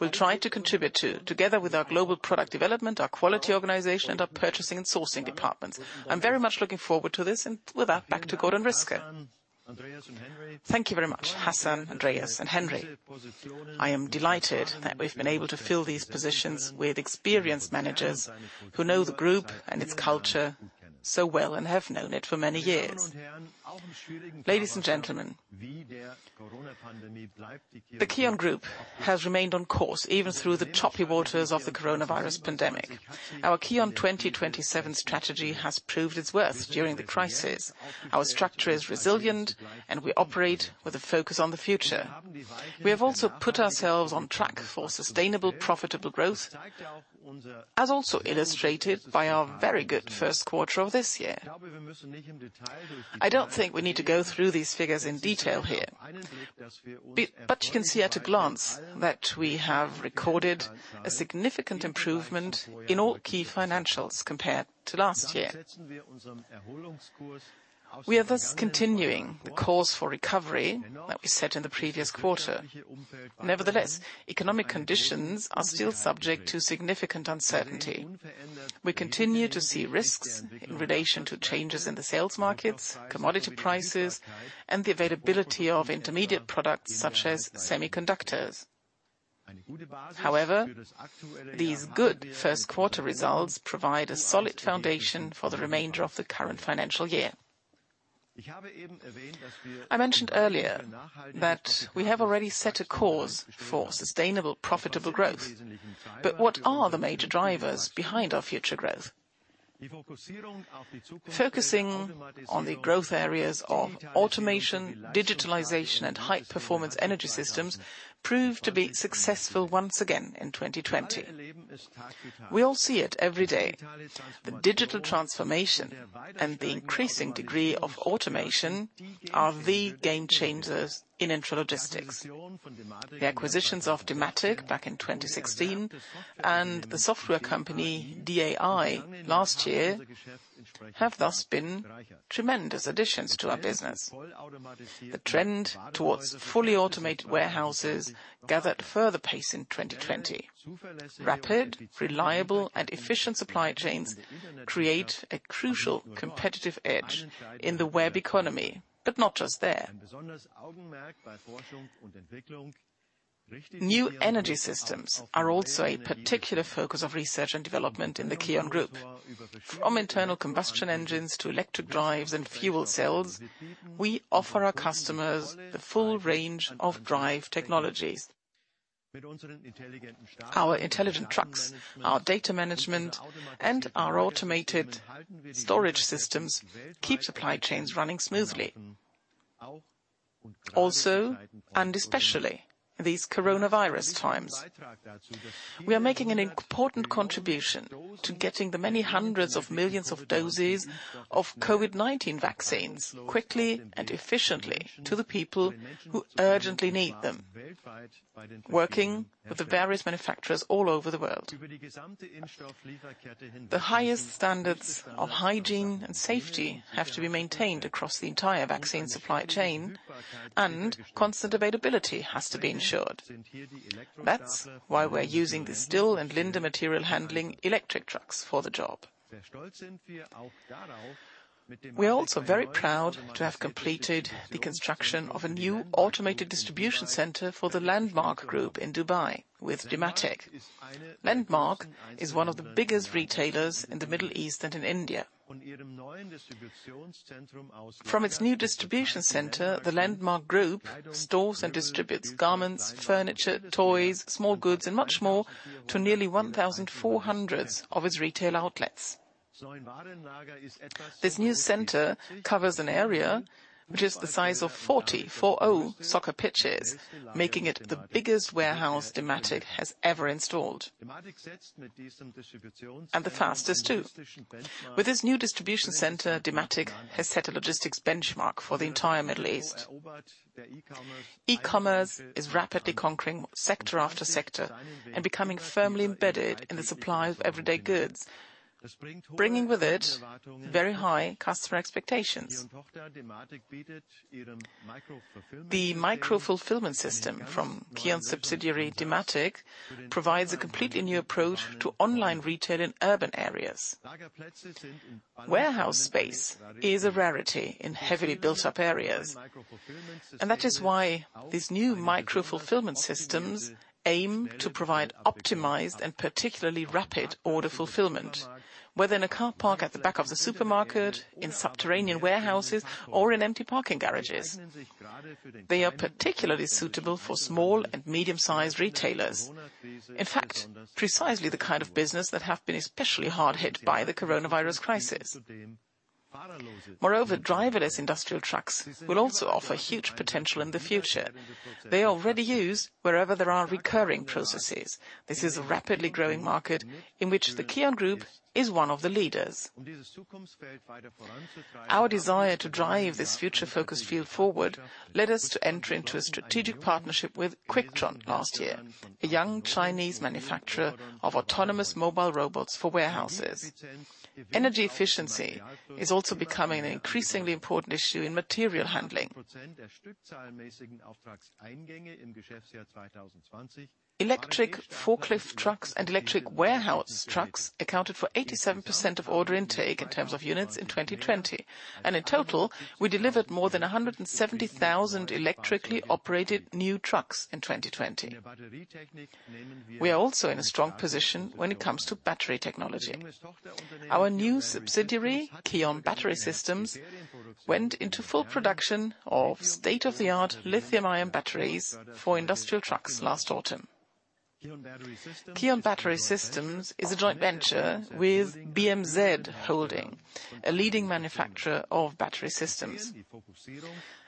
will try to contribute to, together with our global product development, our quality organization, and our purchasing and sourcing departments. I'm very much looking forward to this, and with that, back to Gordon Riske. Thank you very much, Hasan, Andreas, and Henry. I am delighted that we've been able to fill these positions with experienced managers who know the group and its culture so well and have known it for many years. Ladies and gentlemen, KION GROUP has remained on course, even through the choppy waters of the coronavirus pandemic. Our KION 2027 strategy has proved its worth during the crisis. Our structure is resilient, and we operate with a focus on the future. We have also put ourselves on track for sustainable, profitable growth as also illustrated by our very good first quarter of this year. I don't think we need to go through these figures in detail here. You can see at a glance that we have recorded a significant improvement in all key financials compared to last year. We are thus continuing the course for recovery that we set in the previous quarter. Nevertheless, economic conditions are still subject to significant uncertainty. We continue to see risks in relation to changes in the sales markets, commodity prices, and the availability of intermediate products such as semiconductors. However, these good first quarter results provide a solid foundation for the remainder of the current financial year. I mentioned earlier that we have already set a course for sustainable, profitable growth, but what are the major drivers behind our future growth? Focusing on the growth areas of automation, digitalization, and high-performance energy systems proved to be successful once again in 2020. We all see it every day. The digital transformation and the increasing degree of automation are the game changers in intralogistics. The acquisitions of Dematic back in 2016 and the software company DAI last year have thus been tremendous additions to our business. The trend towards fully-automated warehouses gathered further pace in 2020. Rapid, reliable, and efficient supply chains create a crucial competitive edge in the web economy, but not just there. New energy systems are also a particular focus of research and development in KION GROUP. From internal combustion engines to electric drives and fuel cells, we offer our customers the full range of drive technologies. Our intelligent trucks, our data management, and our automated storage systems keep supply chains running smoothly. Also, and especially these coronavirus times, we are making an important contribution to getting the many hundreds of millions of doses of COVID-19 vaccines quickly and efficiently to the people who urgently need them, working with the various manufacturers all over the world. The highest standards of hygiene and safety have to be maintained across the entire vaccine supply chain, and constant availability has to be ensured. That's why we're using the STILL and Linde Material Handling electric trucks for the job. We are also very proud to have completed the construction of a new automated distribution center for the Landmark Group in Dubai with Dematic. Landmark is one of the biggest retailers in the Middle East and in India. From its new distribution center, the Landmark Group stores and distributes garments, furniture, toys, small goods, and much more to nearly 1,400 of its retail outlets. This new center covers an area which is the size of 40 soccer pitches, making it the biggest warehouse Dematic has ever installed. The fastest, too. With this new distribution center, Dematic has set a logistics benchmark for the entire Middle East. E-commerce is rapidly conquering sector after sector and becoming firmly embedded in the supply of everyday goods, bringing with it very high customer expectations. The micro-fulfillment system from KION subsidiary Dematic provides a completely new approach to online retail in urban areas. Warehouse space is a rarity in heavily built-up areas, and that is why these new micro-fulfillment systems aim to provide optimized and particularly rapid order fulfillment, whether in a car park at the back of the supermarket, in subterranean warehouses, or in empty parking garages. They are particularly suitable for small and medium-sized retailers. In fact, precisely the kind of business that have been especially hard hit by the coronavirus crisis. Moreover, driverless industrial trucks will also offer huge potential in the future. They are already used wherever there are recurring processes. This is a rapidly growing market in which KION GROUP is one of the leaders. Our desire to drive this future-focused field forward led us to enter into a strategic partnership with Quicktron last year, a young Chinese manufacturer of autonomous mobile robots for warehouses. Energy efficiency is also becoming an increasingly important issue in material handling. Electric forklift trucks and electric warehouse trucks accounted for 87% of order intake in terms of units in 2020. In total, we delivered more than 170,000 electrically-operated new trucks in 2020. We are also in a strong position when it comes to battery technology. Our new subsidiary, KION Battery Systems, went into full production of state-of-the-art lithium-ion batteries for industrial trucks last autumn. KION Battery Systems is a joint venture with BMZ Holding, a leading manufacturer of battery systems.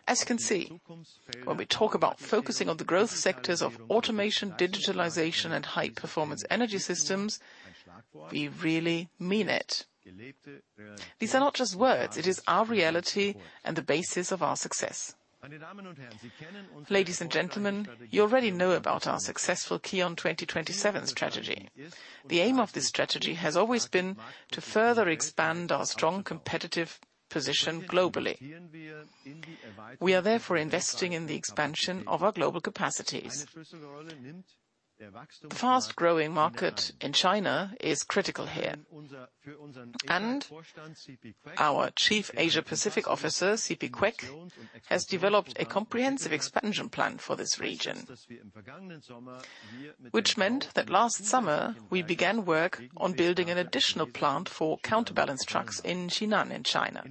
As you can see, when we talk about focusing on the growth sectors of automation, digitalization, and high-performance energy systems, we really mean it. These are not just words. It is our reality and the basis of our success. Ladies and gentlemen, you already know about our successful KION 2027 strategy. The aim of this strategy has always been to further expand our strong competitive position globally. We are therefore investing in the expansion of our global capacities. The fast-growing market in China is critical here. Our Chief Asia Pacific Officer, CP Quek, has developed a comprehensive expansion plan for this region. Which meant that last summer, we began work on building an additional plant for counterbalance trucks in Jinan in China.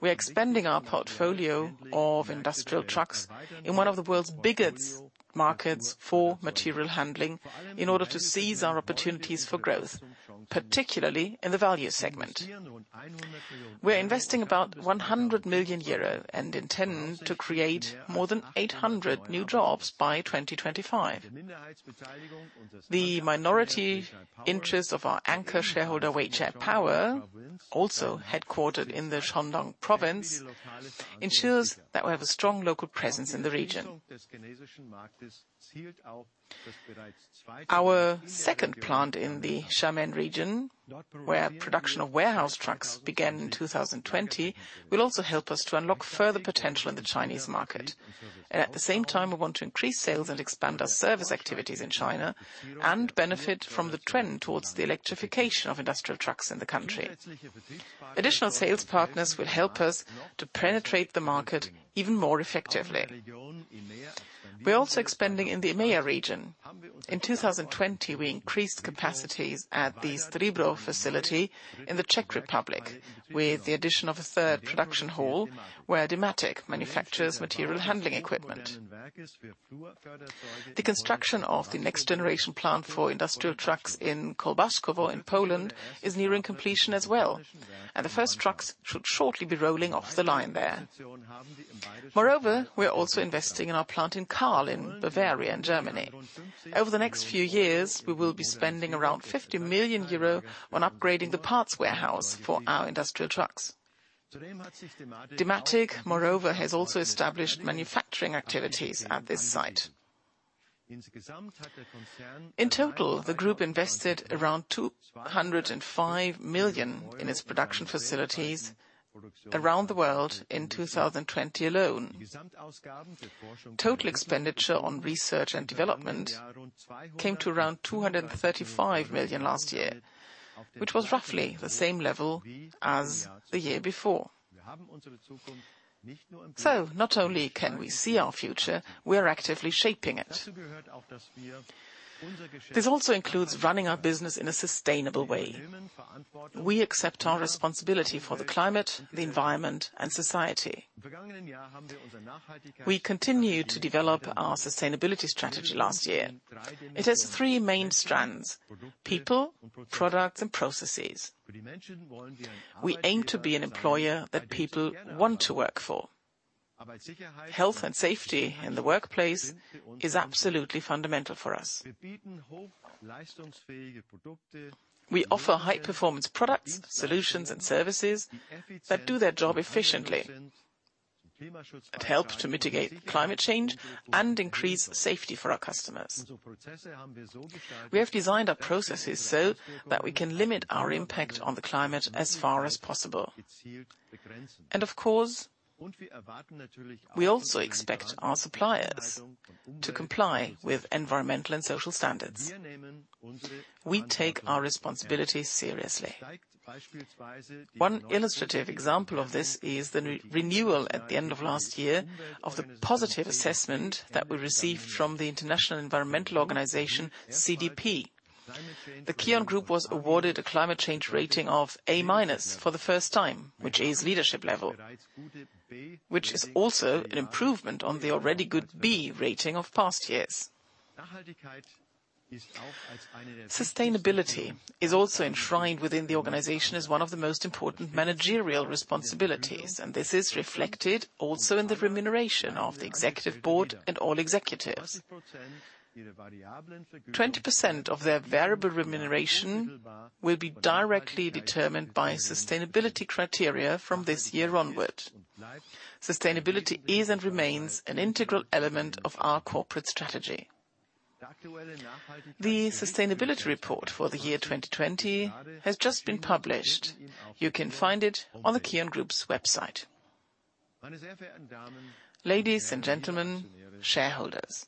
We are expanding our portfolio of industrial trucks in one of the world's biggest markets for material handling in order to seize our opportunities for growth, particularly in the value segment. We are investing about 100 million euro and intend to create more than 800 new jobs by 2025. The minority interest of our anchor shareholder, Weichai Power, also headquartered in the Shandong province, ensures that we have a strong local presence in the region. Our second plant in the Xiamen region, where production of warehouse trucks began in 2020, will also help us to unlock further potential in the Chinese market. At the same time, we want to increase sales and expand our service activities in China and benefit from the trend towards the electrification of industrial trucks in the country. Additional sales partners will help us to penetrate the market even more effectively. We are also expanding in the EMEA region. In 2020, we increased capacities at the Stříbro facility in the Czech Republic, with the addition of a third production hall where Dematic manufactures material handling equipment. The construction of the next-generation plant for industrial trucks in Kołbaskowo in Poland is nearing completion as well, and the first trucks should shortly be rolling off the line there. We are also investing in our plant in Kahl, in Bavaria, in Germany. Over the next few years, we will be spending around 50 million euro on upgrading the parts warehouse for our industrial trucks. Dematic, moreover, has also established manufacturing activities at this site. In total, the group invested around 205 million in its production facilities around the world in 2020 alone. Total expenditure on research and development came to around 235 million last year, which was roughly the same level as the year before. Not only can we see our future, we are actively shaping it. This also includes running our business in a sustainable way. We accept our responsibility for the climate, the environment, and society. We continued to develop our sustainability strategy last year. It has three main strands: people, products, and processes. We aim to be an employer that people want to work for. Health and safety in the workplace is absolutely fundamental for us. We offer high performance products, solutions, and services that do their job efficiently and help to mitigate climate change and increase safety for our customers. We have designed our processes so that we can limit our impact on the climate as far as possible. Of course, we also expect our suppliers to comply with environmental and social standards. We take our responsibilities seriously. One illustrative example of this is the renewal at the end of last year of the positive assessment that we received from the international environmental organization CDP. KION GROUP was awarded a climate change rating of A- for the first time, which is leadership level, an improvement on the already good B rating of past years. Sustainability is also enshrined within the organization as one of the most important managerial responsibilities, and this is reflected also in the remuneration of the Executive Board and all executives. 20% of their variable remuneration will be directly determined by sustainability criteria from this year onward. Sustainability is and remains an integral element of our corporate strategy. The sustainability report for the year 2020 has just been published. You can find it on KION GROUP's website. Ladies and gentlemen, shareholders.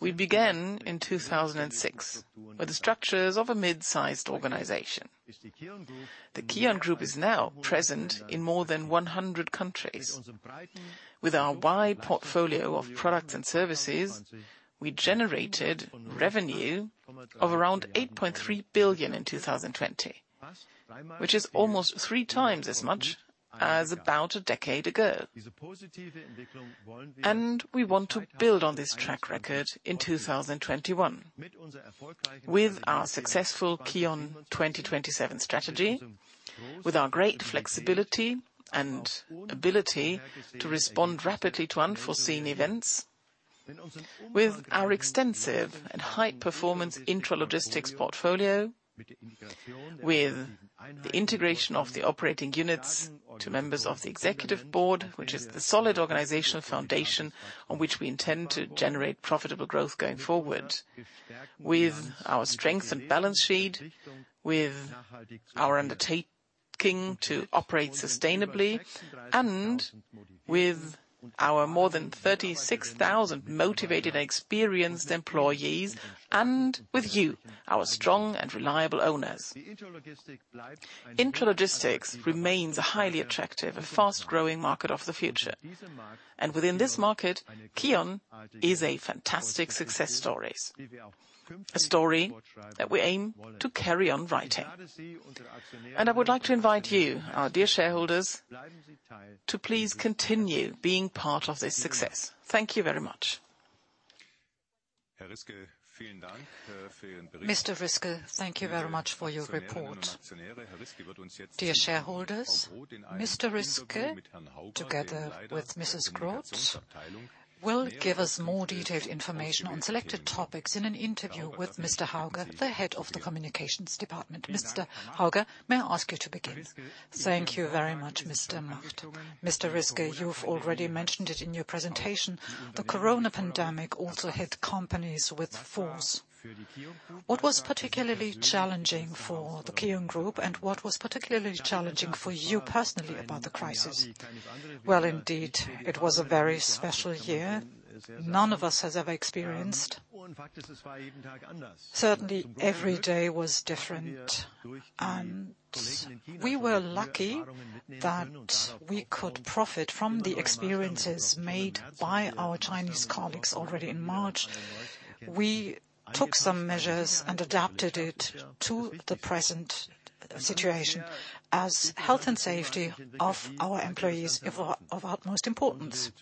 We began in 2006 with the structures of a mid-sized organization. KION GROUP is now present in more than 100 countries. With our wide portfolio of products and services, we generated revenue of around 8.3 billion in 2020, which is almost 3x as much as about a decade ago. We want to build on this track record in 2021. With our successful KION 2027 strategy, with our great flexibility and ability to respond rapidly to unforeseen events, with our extensive and high-performance intralogistics portfolio, with the integration of the operating units to members of the Executive Board, which is the solid organizational foundation on which we intend to generate profitable growth going forward, with our strength and balance sheet, with our undertaking to operate sustainably, with our more than 36,000 motivated and experienced employees, and with you, our strong and reliable owners. Intralogistics remains a highly attractive and fast-growing market of the future. Within this market, KION is a fantastic success stories. A story that we aim to carry on writing. I would like to invite you, our dear shareholders, to please continue being part of this success. Thank you very much. Mr. Riske, thank you very much for your report. Dear shareholders, Mr. Riske, together with Mrs. Groth, will give us more detailed information on selected topics in an interview with Mr. Hauger, the Head of the Communications Department. Mr. Hauger, may I ask you to begin? Thank you very much, Mr. Macht. Mr. Riske, you've already mentioned it in your presentation. The coronavirus pandemic also hit companies with force. What was particularly challenging for KION GROUP, and what was particularly challenging for you personally about the crisis? Well, indeed, it was a very special year none of us has ever experienced. Certainly, every day was different, and we were lucky that we could profit from the experiences made by our Chinese colleagues already in March. We took some measures and adapted it to the present situation, as health and safety of our employees is of utmost importance.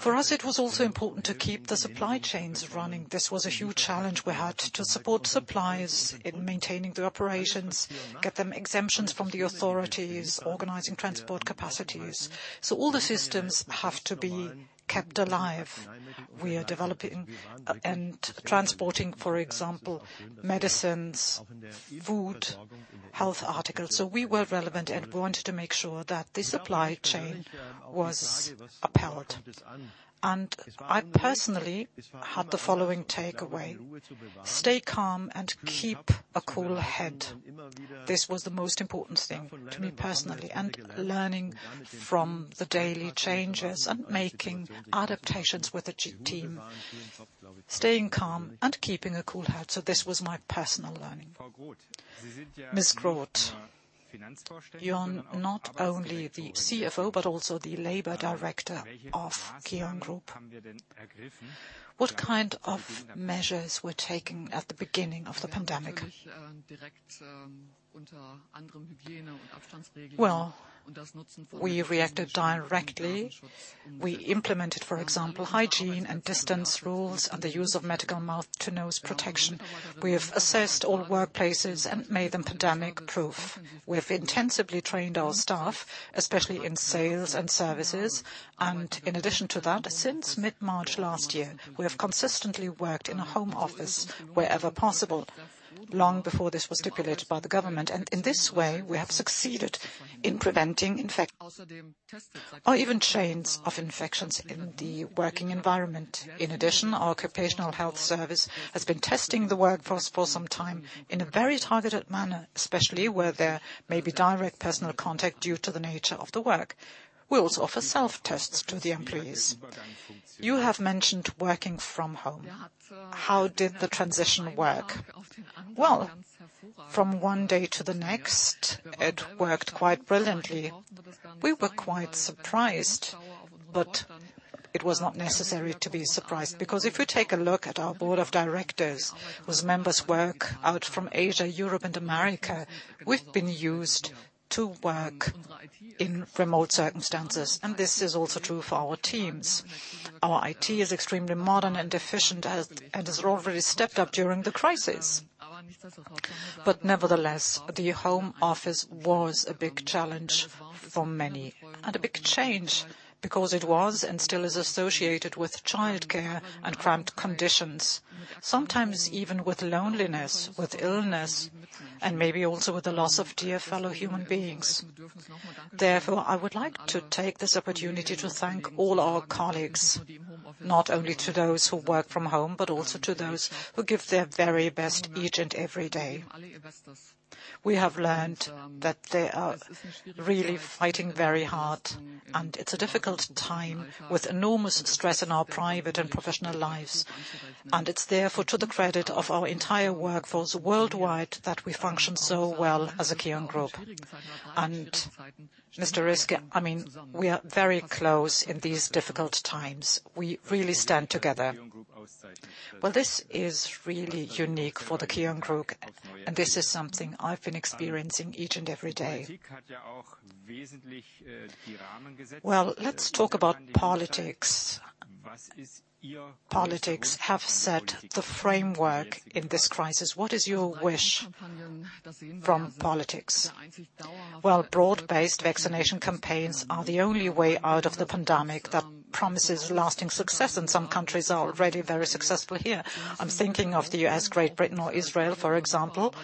For us, it was also important to keep the supply chains running. This was a huge challenge. We had to support suppliers in maintaining the operations, get them exemptions from the authorities, organizing transport capacities. All the systems have to be kept alive. We are developing and transporting, for example, medicines, food, health articles. We were relevant and wanted to make sure that the supply chain was upheld. I personally had the following takeaway: stay calm and keep a cool head. This was the most important thing to me personally, and learning from the daily changes and making adaptations with the team. Staying calm and keeping a cool head. This was my personal learning. Mrs. Groth, you're not only the CFO but also the Labor Director of KION GROUP. What kind of measures were taken at the beginning of the pandemic? Well, we reacted directly. We implemented, for example, hygiene and distance rules and the use of medical mouth-to-nose protection. We have assessed all workplaces and made them pandemic-proof. We have intensively trained our staff, especially in sales and services. In addition to that, since mid-March last year, we have consistently worked in a home office wherever possible, long before this was stipulated by the government. In this way, we have succeeded in preventing infection or even chains of infections in the working environment. In addition, our occupational health service has been testing the workforce for some time in a very targeted manner, especially where there may be direct personal contact due to the nature of the work. We also offer self-tests to the employees. You have mentioned working from home. How did the transition work? Well, from one day to the next, it worked quite brilliantly. We were quite surprised, but it was not necessary to be surprised, because if you take a look at our board of directors, whose members work out from Asia, Europe, and America, we've been used to work in remote circumstances, and this is also true for our teams. Our IT is extremely modern and efficient and has already stepped up during the crisis. Nevertheless, the home office was a big challenge for many and a big change because it was and still is associated with childcare and cramped conditions, sometimes even with loneliness, with illness, and maybe also with the loss of dear fellow human beings. Therefore, I would like to take this opportunity to thank all our colleagues, not only to those who work from home, but also to those who give their very best each and every day. We have learned that they are really fighting very hard, and it's a difficult time with enormous stress in our private and professional lives. It's therefore to the credit of our entire workforce worldwide that we function so well as KION GROUP. Mr. Riske, we are very close in these difficult times. We really stand together. Well, this is really unique for KION GROUP, and this is something I've been experiencing each and every day. Well, let's talk about politics. Politics have set the framework in this crisis. What is your wish from politics? Well, broad-based vaccination campaigns are the only way out of the pandemic that promises lasting success, and some countries are already very successful here. I'm thinking of the U.S., Great Britain, or Israel, for example.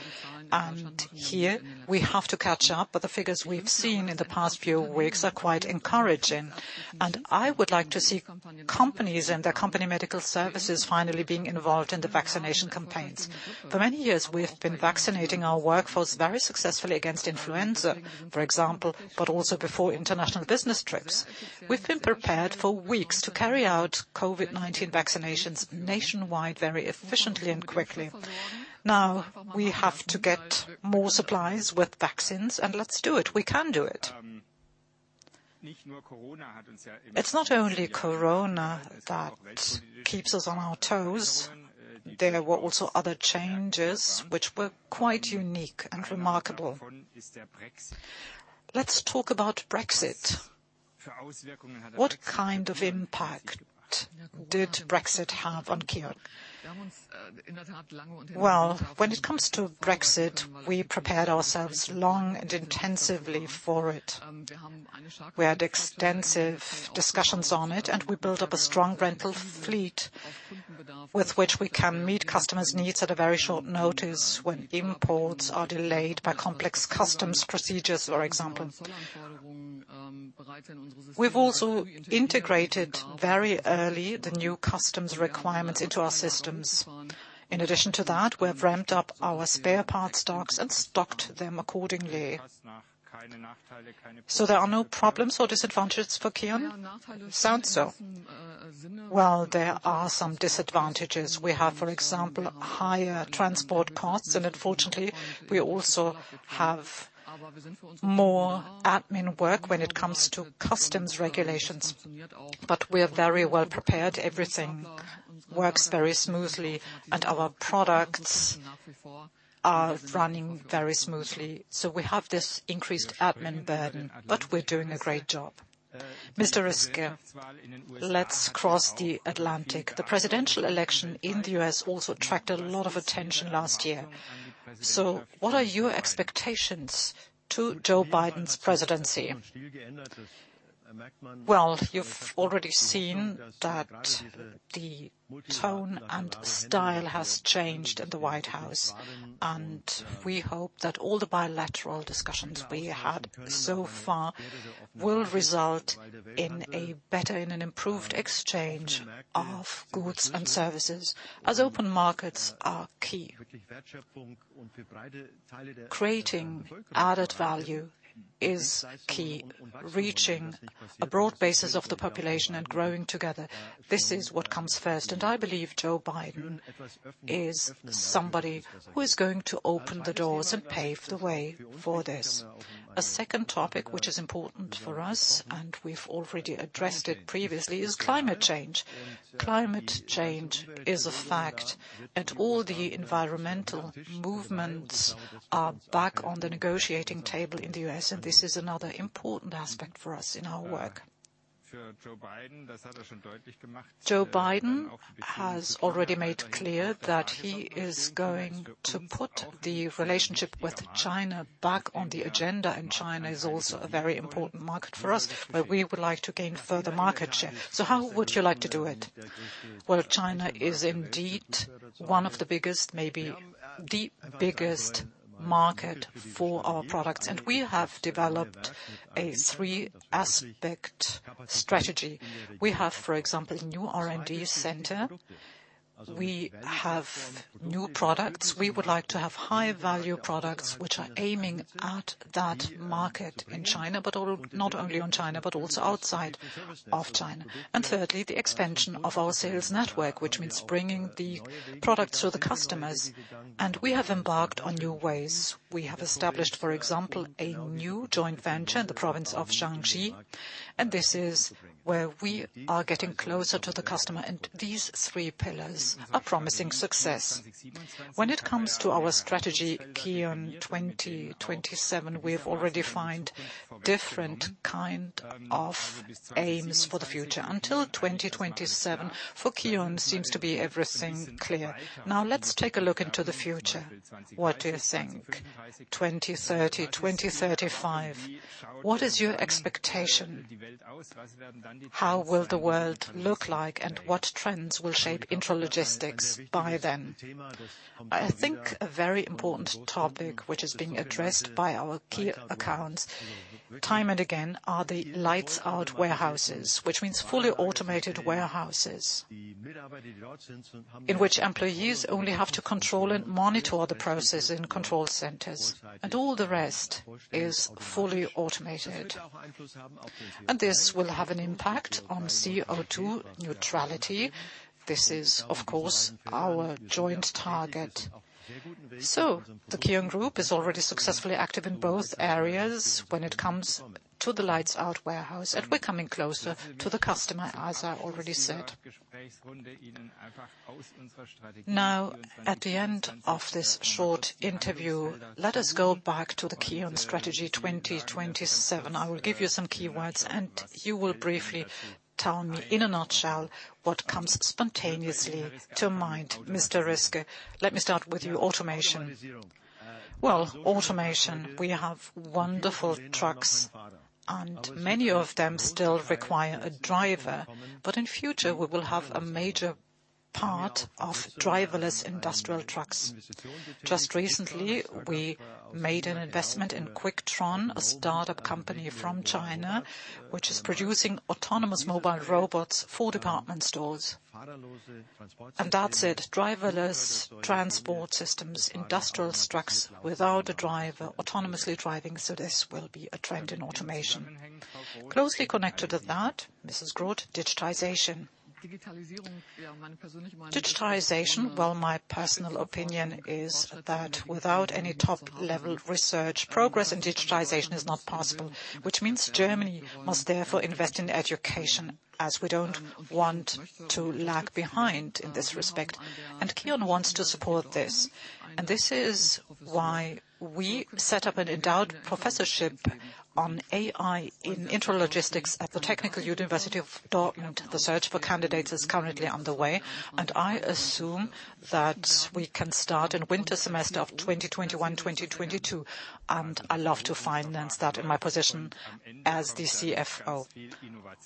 Here we have to catch up, but the figures we've seen in the past few weeks are quite encouraging, and I would like to see companies and their company medical services finally being involved in the vaccination campaigns. For many years, we have been vaccinating our workforce very successfully against influenza, for example, but also before international business trips. We've been prepared for weeks to carry out COVID-19 vaccinations nationwide very efficiently and quickly. Now, we have to get more supplies with vaccines, and let's do it. We can do it. It's not only corona that keeps us on our toes. There were also other changes which were quite unique and remarkable. Let's talk about Brexit. What kind of impact did Brexit have on KION? Well, when it comes to Brexit, we prepared ourselves long and intensively for it. We had extensive discussions on it. We built up a strong rental fleet with which we can meet customers' needs at a very short notice when imports are delayed by complex customs procedures, for example. We've also integrated very early the new customs requirements into our systems. In addition to that, we have ramped up our spare parts stocks and stocked them accordingly. There are no problems or disadvantages for KION? Sounds so. Well, there are some disadvantages. We have, for example, higher transport costs. Unfortunately, we also have more admin work when it comes to customs regulations. We are very well prepared. Everything works very smoothly. Our products are running very smoothly. We have this increased admin burden, but we're doing a great job. Mr. Riske, let's cross the Atlantic. The presidential election in the U.S. also attracted a lot of attention last year. What are your expectations to Joe Biden's presidency? You've already seen that the tone and style has changed at the White House, and we hope that all the bilateral discussions we had so far will result in an improved exchange of goods and services, as open markets are key. Creating added value is key. Reaching a broad basis of the population and growing together, this is what comes first, and I believe Joe Biden is somebody who is going to open the doors and pave the way for this. A second topic which is important for us, and we've already addressed it previously, is climate change. Climate change is a fact. All the environmental movements are back on the negotiating table in the U.S., and this is another important aspect for us in our work. Joe Biden has already made clear that he is going to put the relationship with China back on the agenda, China is also a very important market for us, where we would like to gain further market share. How would you like to do it? Well, China is indeed one of the biggest, maybe the biggest market for our products, we have developed a three-aspect strategy. We have, for example, new R&D center. We have new products. We would like to have high-value products which are aiming at that market in China. Not only in China, but also outside of China. Thirdly, the expansion of our sales network, which means bringing the products to the customers. We have embarked on new ways. We have established, for example, a new joint venture in the province of Shandong. This is where we are getting closer to the customer. These three pillars are promising success. When it comes to our strategy, KION 2027, we have already defined different kind of aims for the future. Until 2027, for KION seems to be everything clear. Now, let's take a look into the future. What do you think? 2030, 2035, what is your expectation? How will the world look like? What trends will shape intralogistics by then? I think a very important topic, which is being addressed by our key accounts time and again are the lights-out warehouses, which means fully automated warehouses in which employees only have to control and monitor the process in control centers. All the rest is fully automated. This will have an impact on CO₂ neutrality. This is, of course, our joint target. KION GROUP is already successfully active in both areas when it comes to the lights-out warehouse, and we're coming closer to the customer, as I already said. At the end of this short interview, let us go back to the KION strategy 2027. I will give you some keywords, and you will briefly tell me in a nutshell what comes spontaneously to mind. Mr. Riske, let me start with you. Automation. Automation. We have wonderful trucks, and many of them still require a driver. In future, we will have a major part of driverless industrial trucks. Just recently, we made an investment in Quicktron, a startup company from China, which is producing autonomous mobile robots for department stores. That's it. Driverless transport systems, industrial trucks without a driver, autonomously driving. This will be a trend in automation. Closely connected to that, Mrs. Groth, digitization. Digitization. Well, my personal opinion is that without any top-level research, progress in digitization is not possible. Germany must therefore invest in education, as we don't want to lag behind in this respect. KION wants to support this. This is why we set up an endowed professorship on AI in intralogistics at TU Dortmund University. The search for candidates is currently underway, and I assume that we can start in winter semester of 2021/2022, and I love to finance that in my position as the CFO.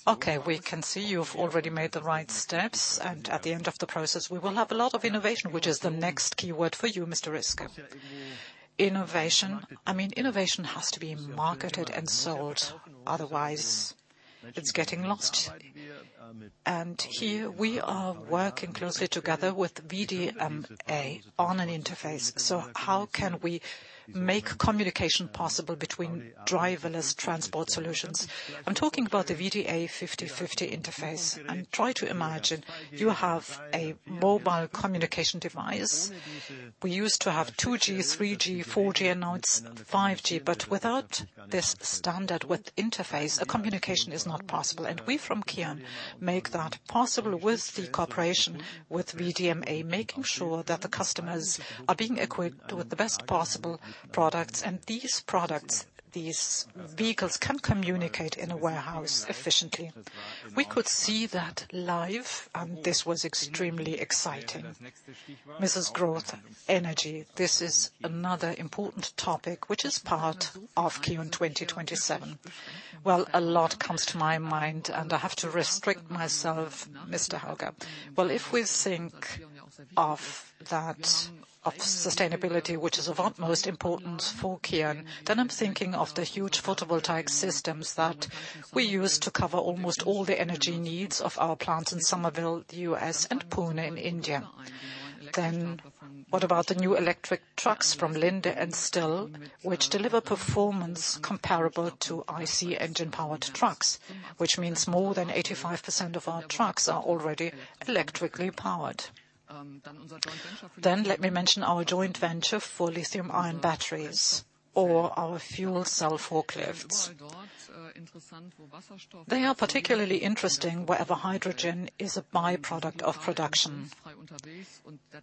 Okay, we can see you've already made the right steps, and at the end of the process, we will have a lot of innovation, which is the next keyword for you, Mr. Riske. Innovation has to be marketed and sold. Otherwise, it's getting lost. Here we are working closely together with VDMA on an interface. How can we make communication possible between driverless transport solutions? I'm talking about the VDA 5050 interface, try to imagine you have a mobile communication device. We used to have 2G, 3G, 4G, and now it's 5G. Without this standard with interface, a communication is not possible. We from KION make that possible with the cooperation with VDMA, making sure that the customers are being equipped with the best possible products. These products, these vehicles can communicate in a warehouse efficiently. We could see that live, this was extremely exciting. Mrs. Groth, energy. This is another important topic, which is part of KION 2027. Well, a lot comes to my mind, I have to restrict myself, Mr. Hauger. Well, if we think of sustainability, which is of utmost importance for KION, I'm thinking of the huge photovoltaic systems that we use to cover almost all the energy needs of our plants in Summerville, U.S., and Pune in India. What about the new electric trucks from Linde and STILL, which deliver performance comparable to IC engine-powered trucks? Which means more than 85% of our trucks are already electrically powered. Let me mention our joint venture for lithium-ion batteries or our fuel cell forklifts. They are particularly interesting wherever hydrogen is a by-product of production.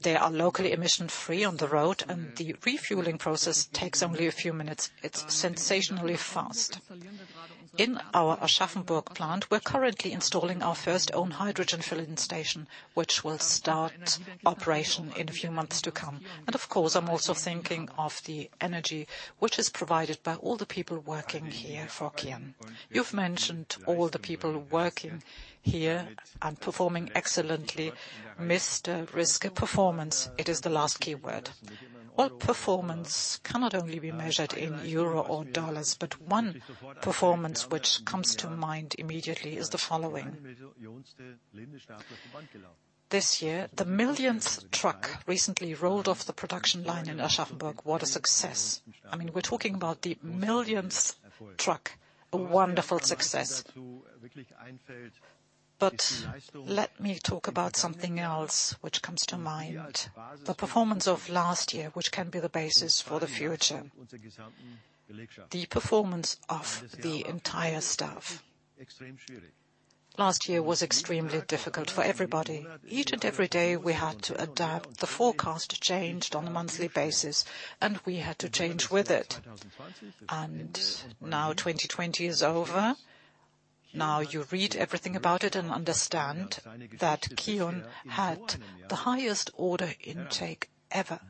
They are locally emission-free on the road, the refueling process takes only a few minutes. It's sensationally fast. In our Aschaffenburg plant, we're currently installing our first own hydrogen filling station, which will start operation in a few months to come. Of course, I'm also thinking of the energy, which is provided by all the people working here for KION. You've mentioned all the people working here and performing excellently. Mr. Riske, performance, it is the last keyword. Performance cannot only be measured in euros or dollars, but one performance which comes to mind immediately is the following. This year, the millionth truck recently rolled off the production line in Aschaffenburg. What a success. I mean, we're talking about the millionth truck, a wonderful success. Let me talk about something else which comes to mind, the performance of last year, which can be the basis for the future. The performance of the entire staff. Last year was extremely difficult for everybody. Each and every day, we had to adapt. The forecast changed on a monthly basis, and we had to change with it. Now, 2020 is over. Now, you read everything about it and understand that KION had the highest order intake ever.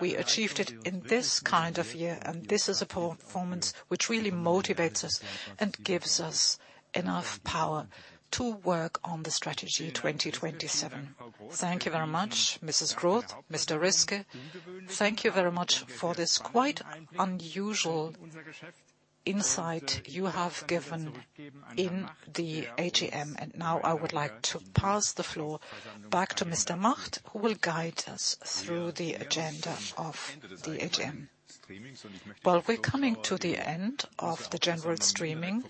We achieved it in this kind of year, and this is a performance which really motivates us and gives us enough power to work on the strategy 2027. Thank you very much, Mrs. Groth, Mr. Riske. Thank you very much for this quite unusual insight you have given in the AGM. Now, I would like to pass the floor back to Mr. Macht, who will guide us through the agenda of the AGM. Well, we're coming to the end of the general streaming,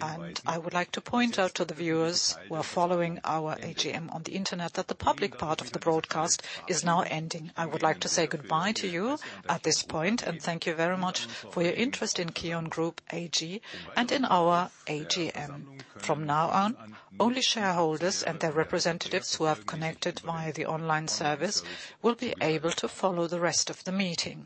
and I would like to point out to the viewers who are following our AGM on the internet that the public part of the broadcast is now ending. I would like to say goodbye to you at this point and thank you very much for your interest in KION GROUP AG and in our AGM. From now on, only shareholders and their representatives who have connected via the online service will be able to follow the rest of the meeting.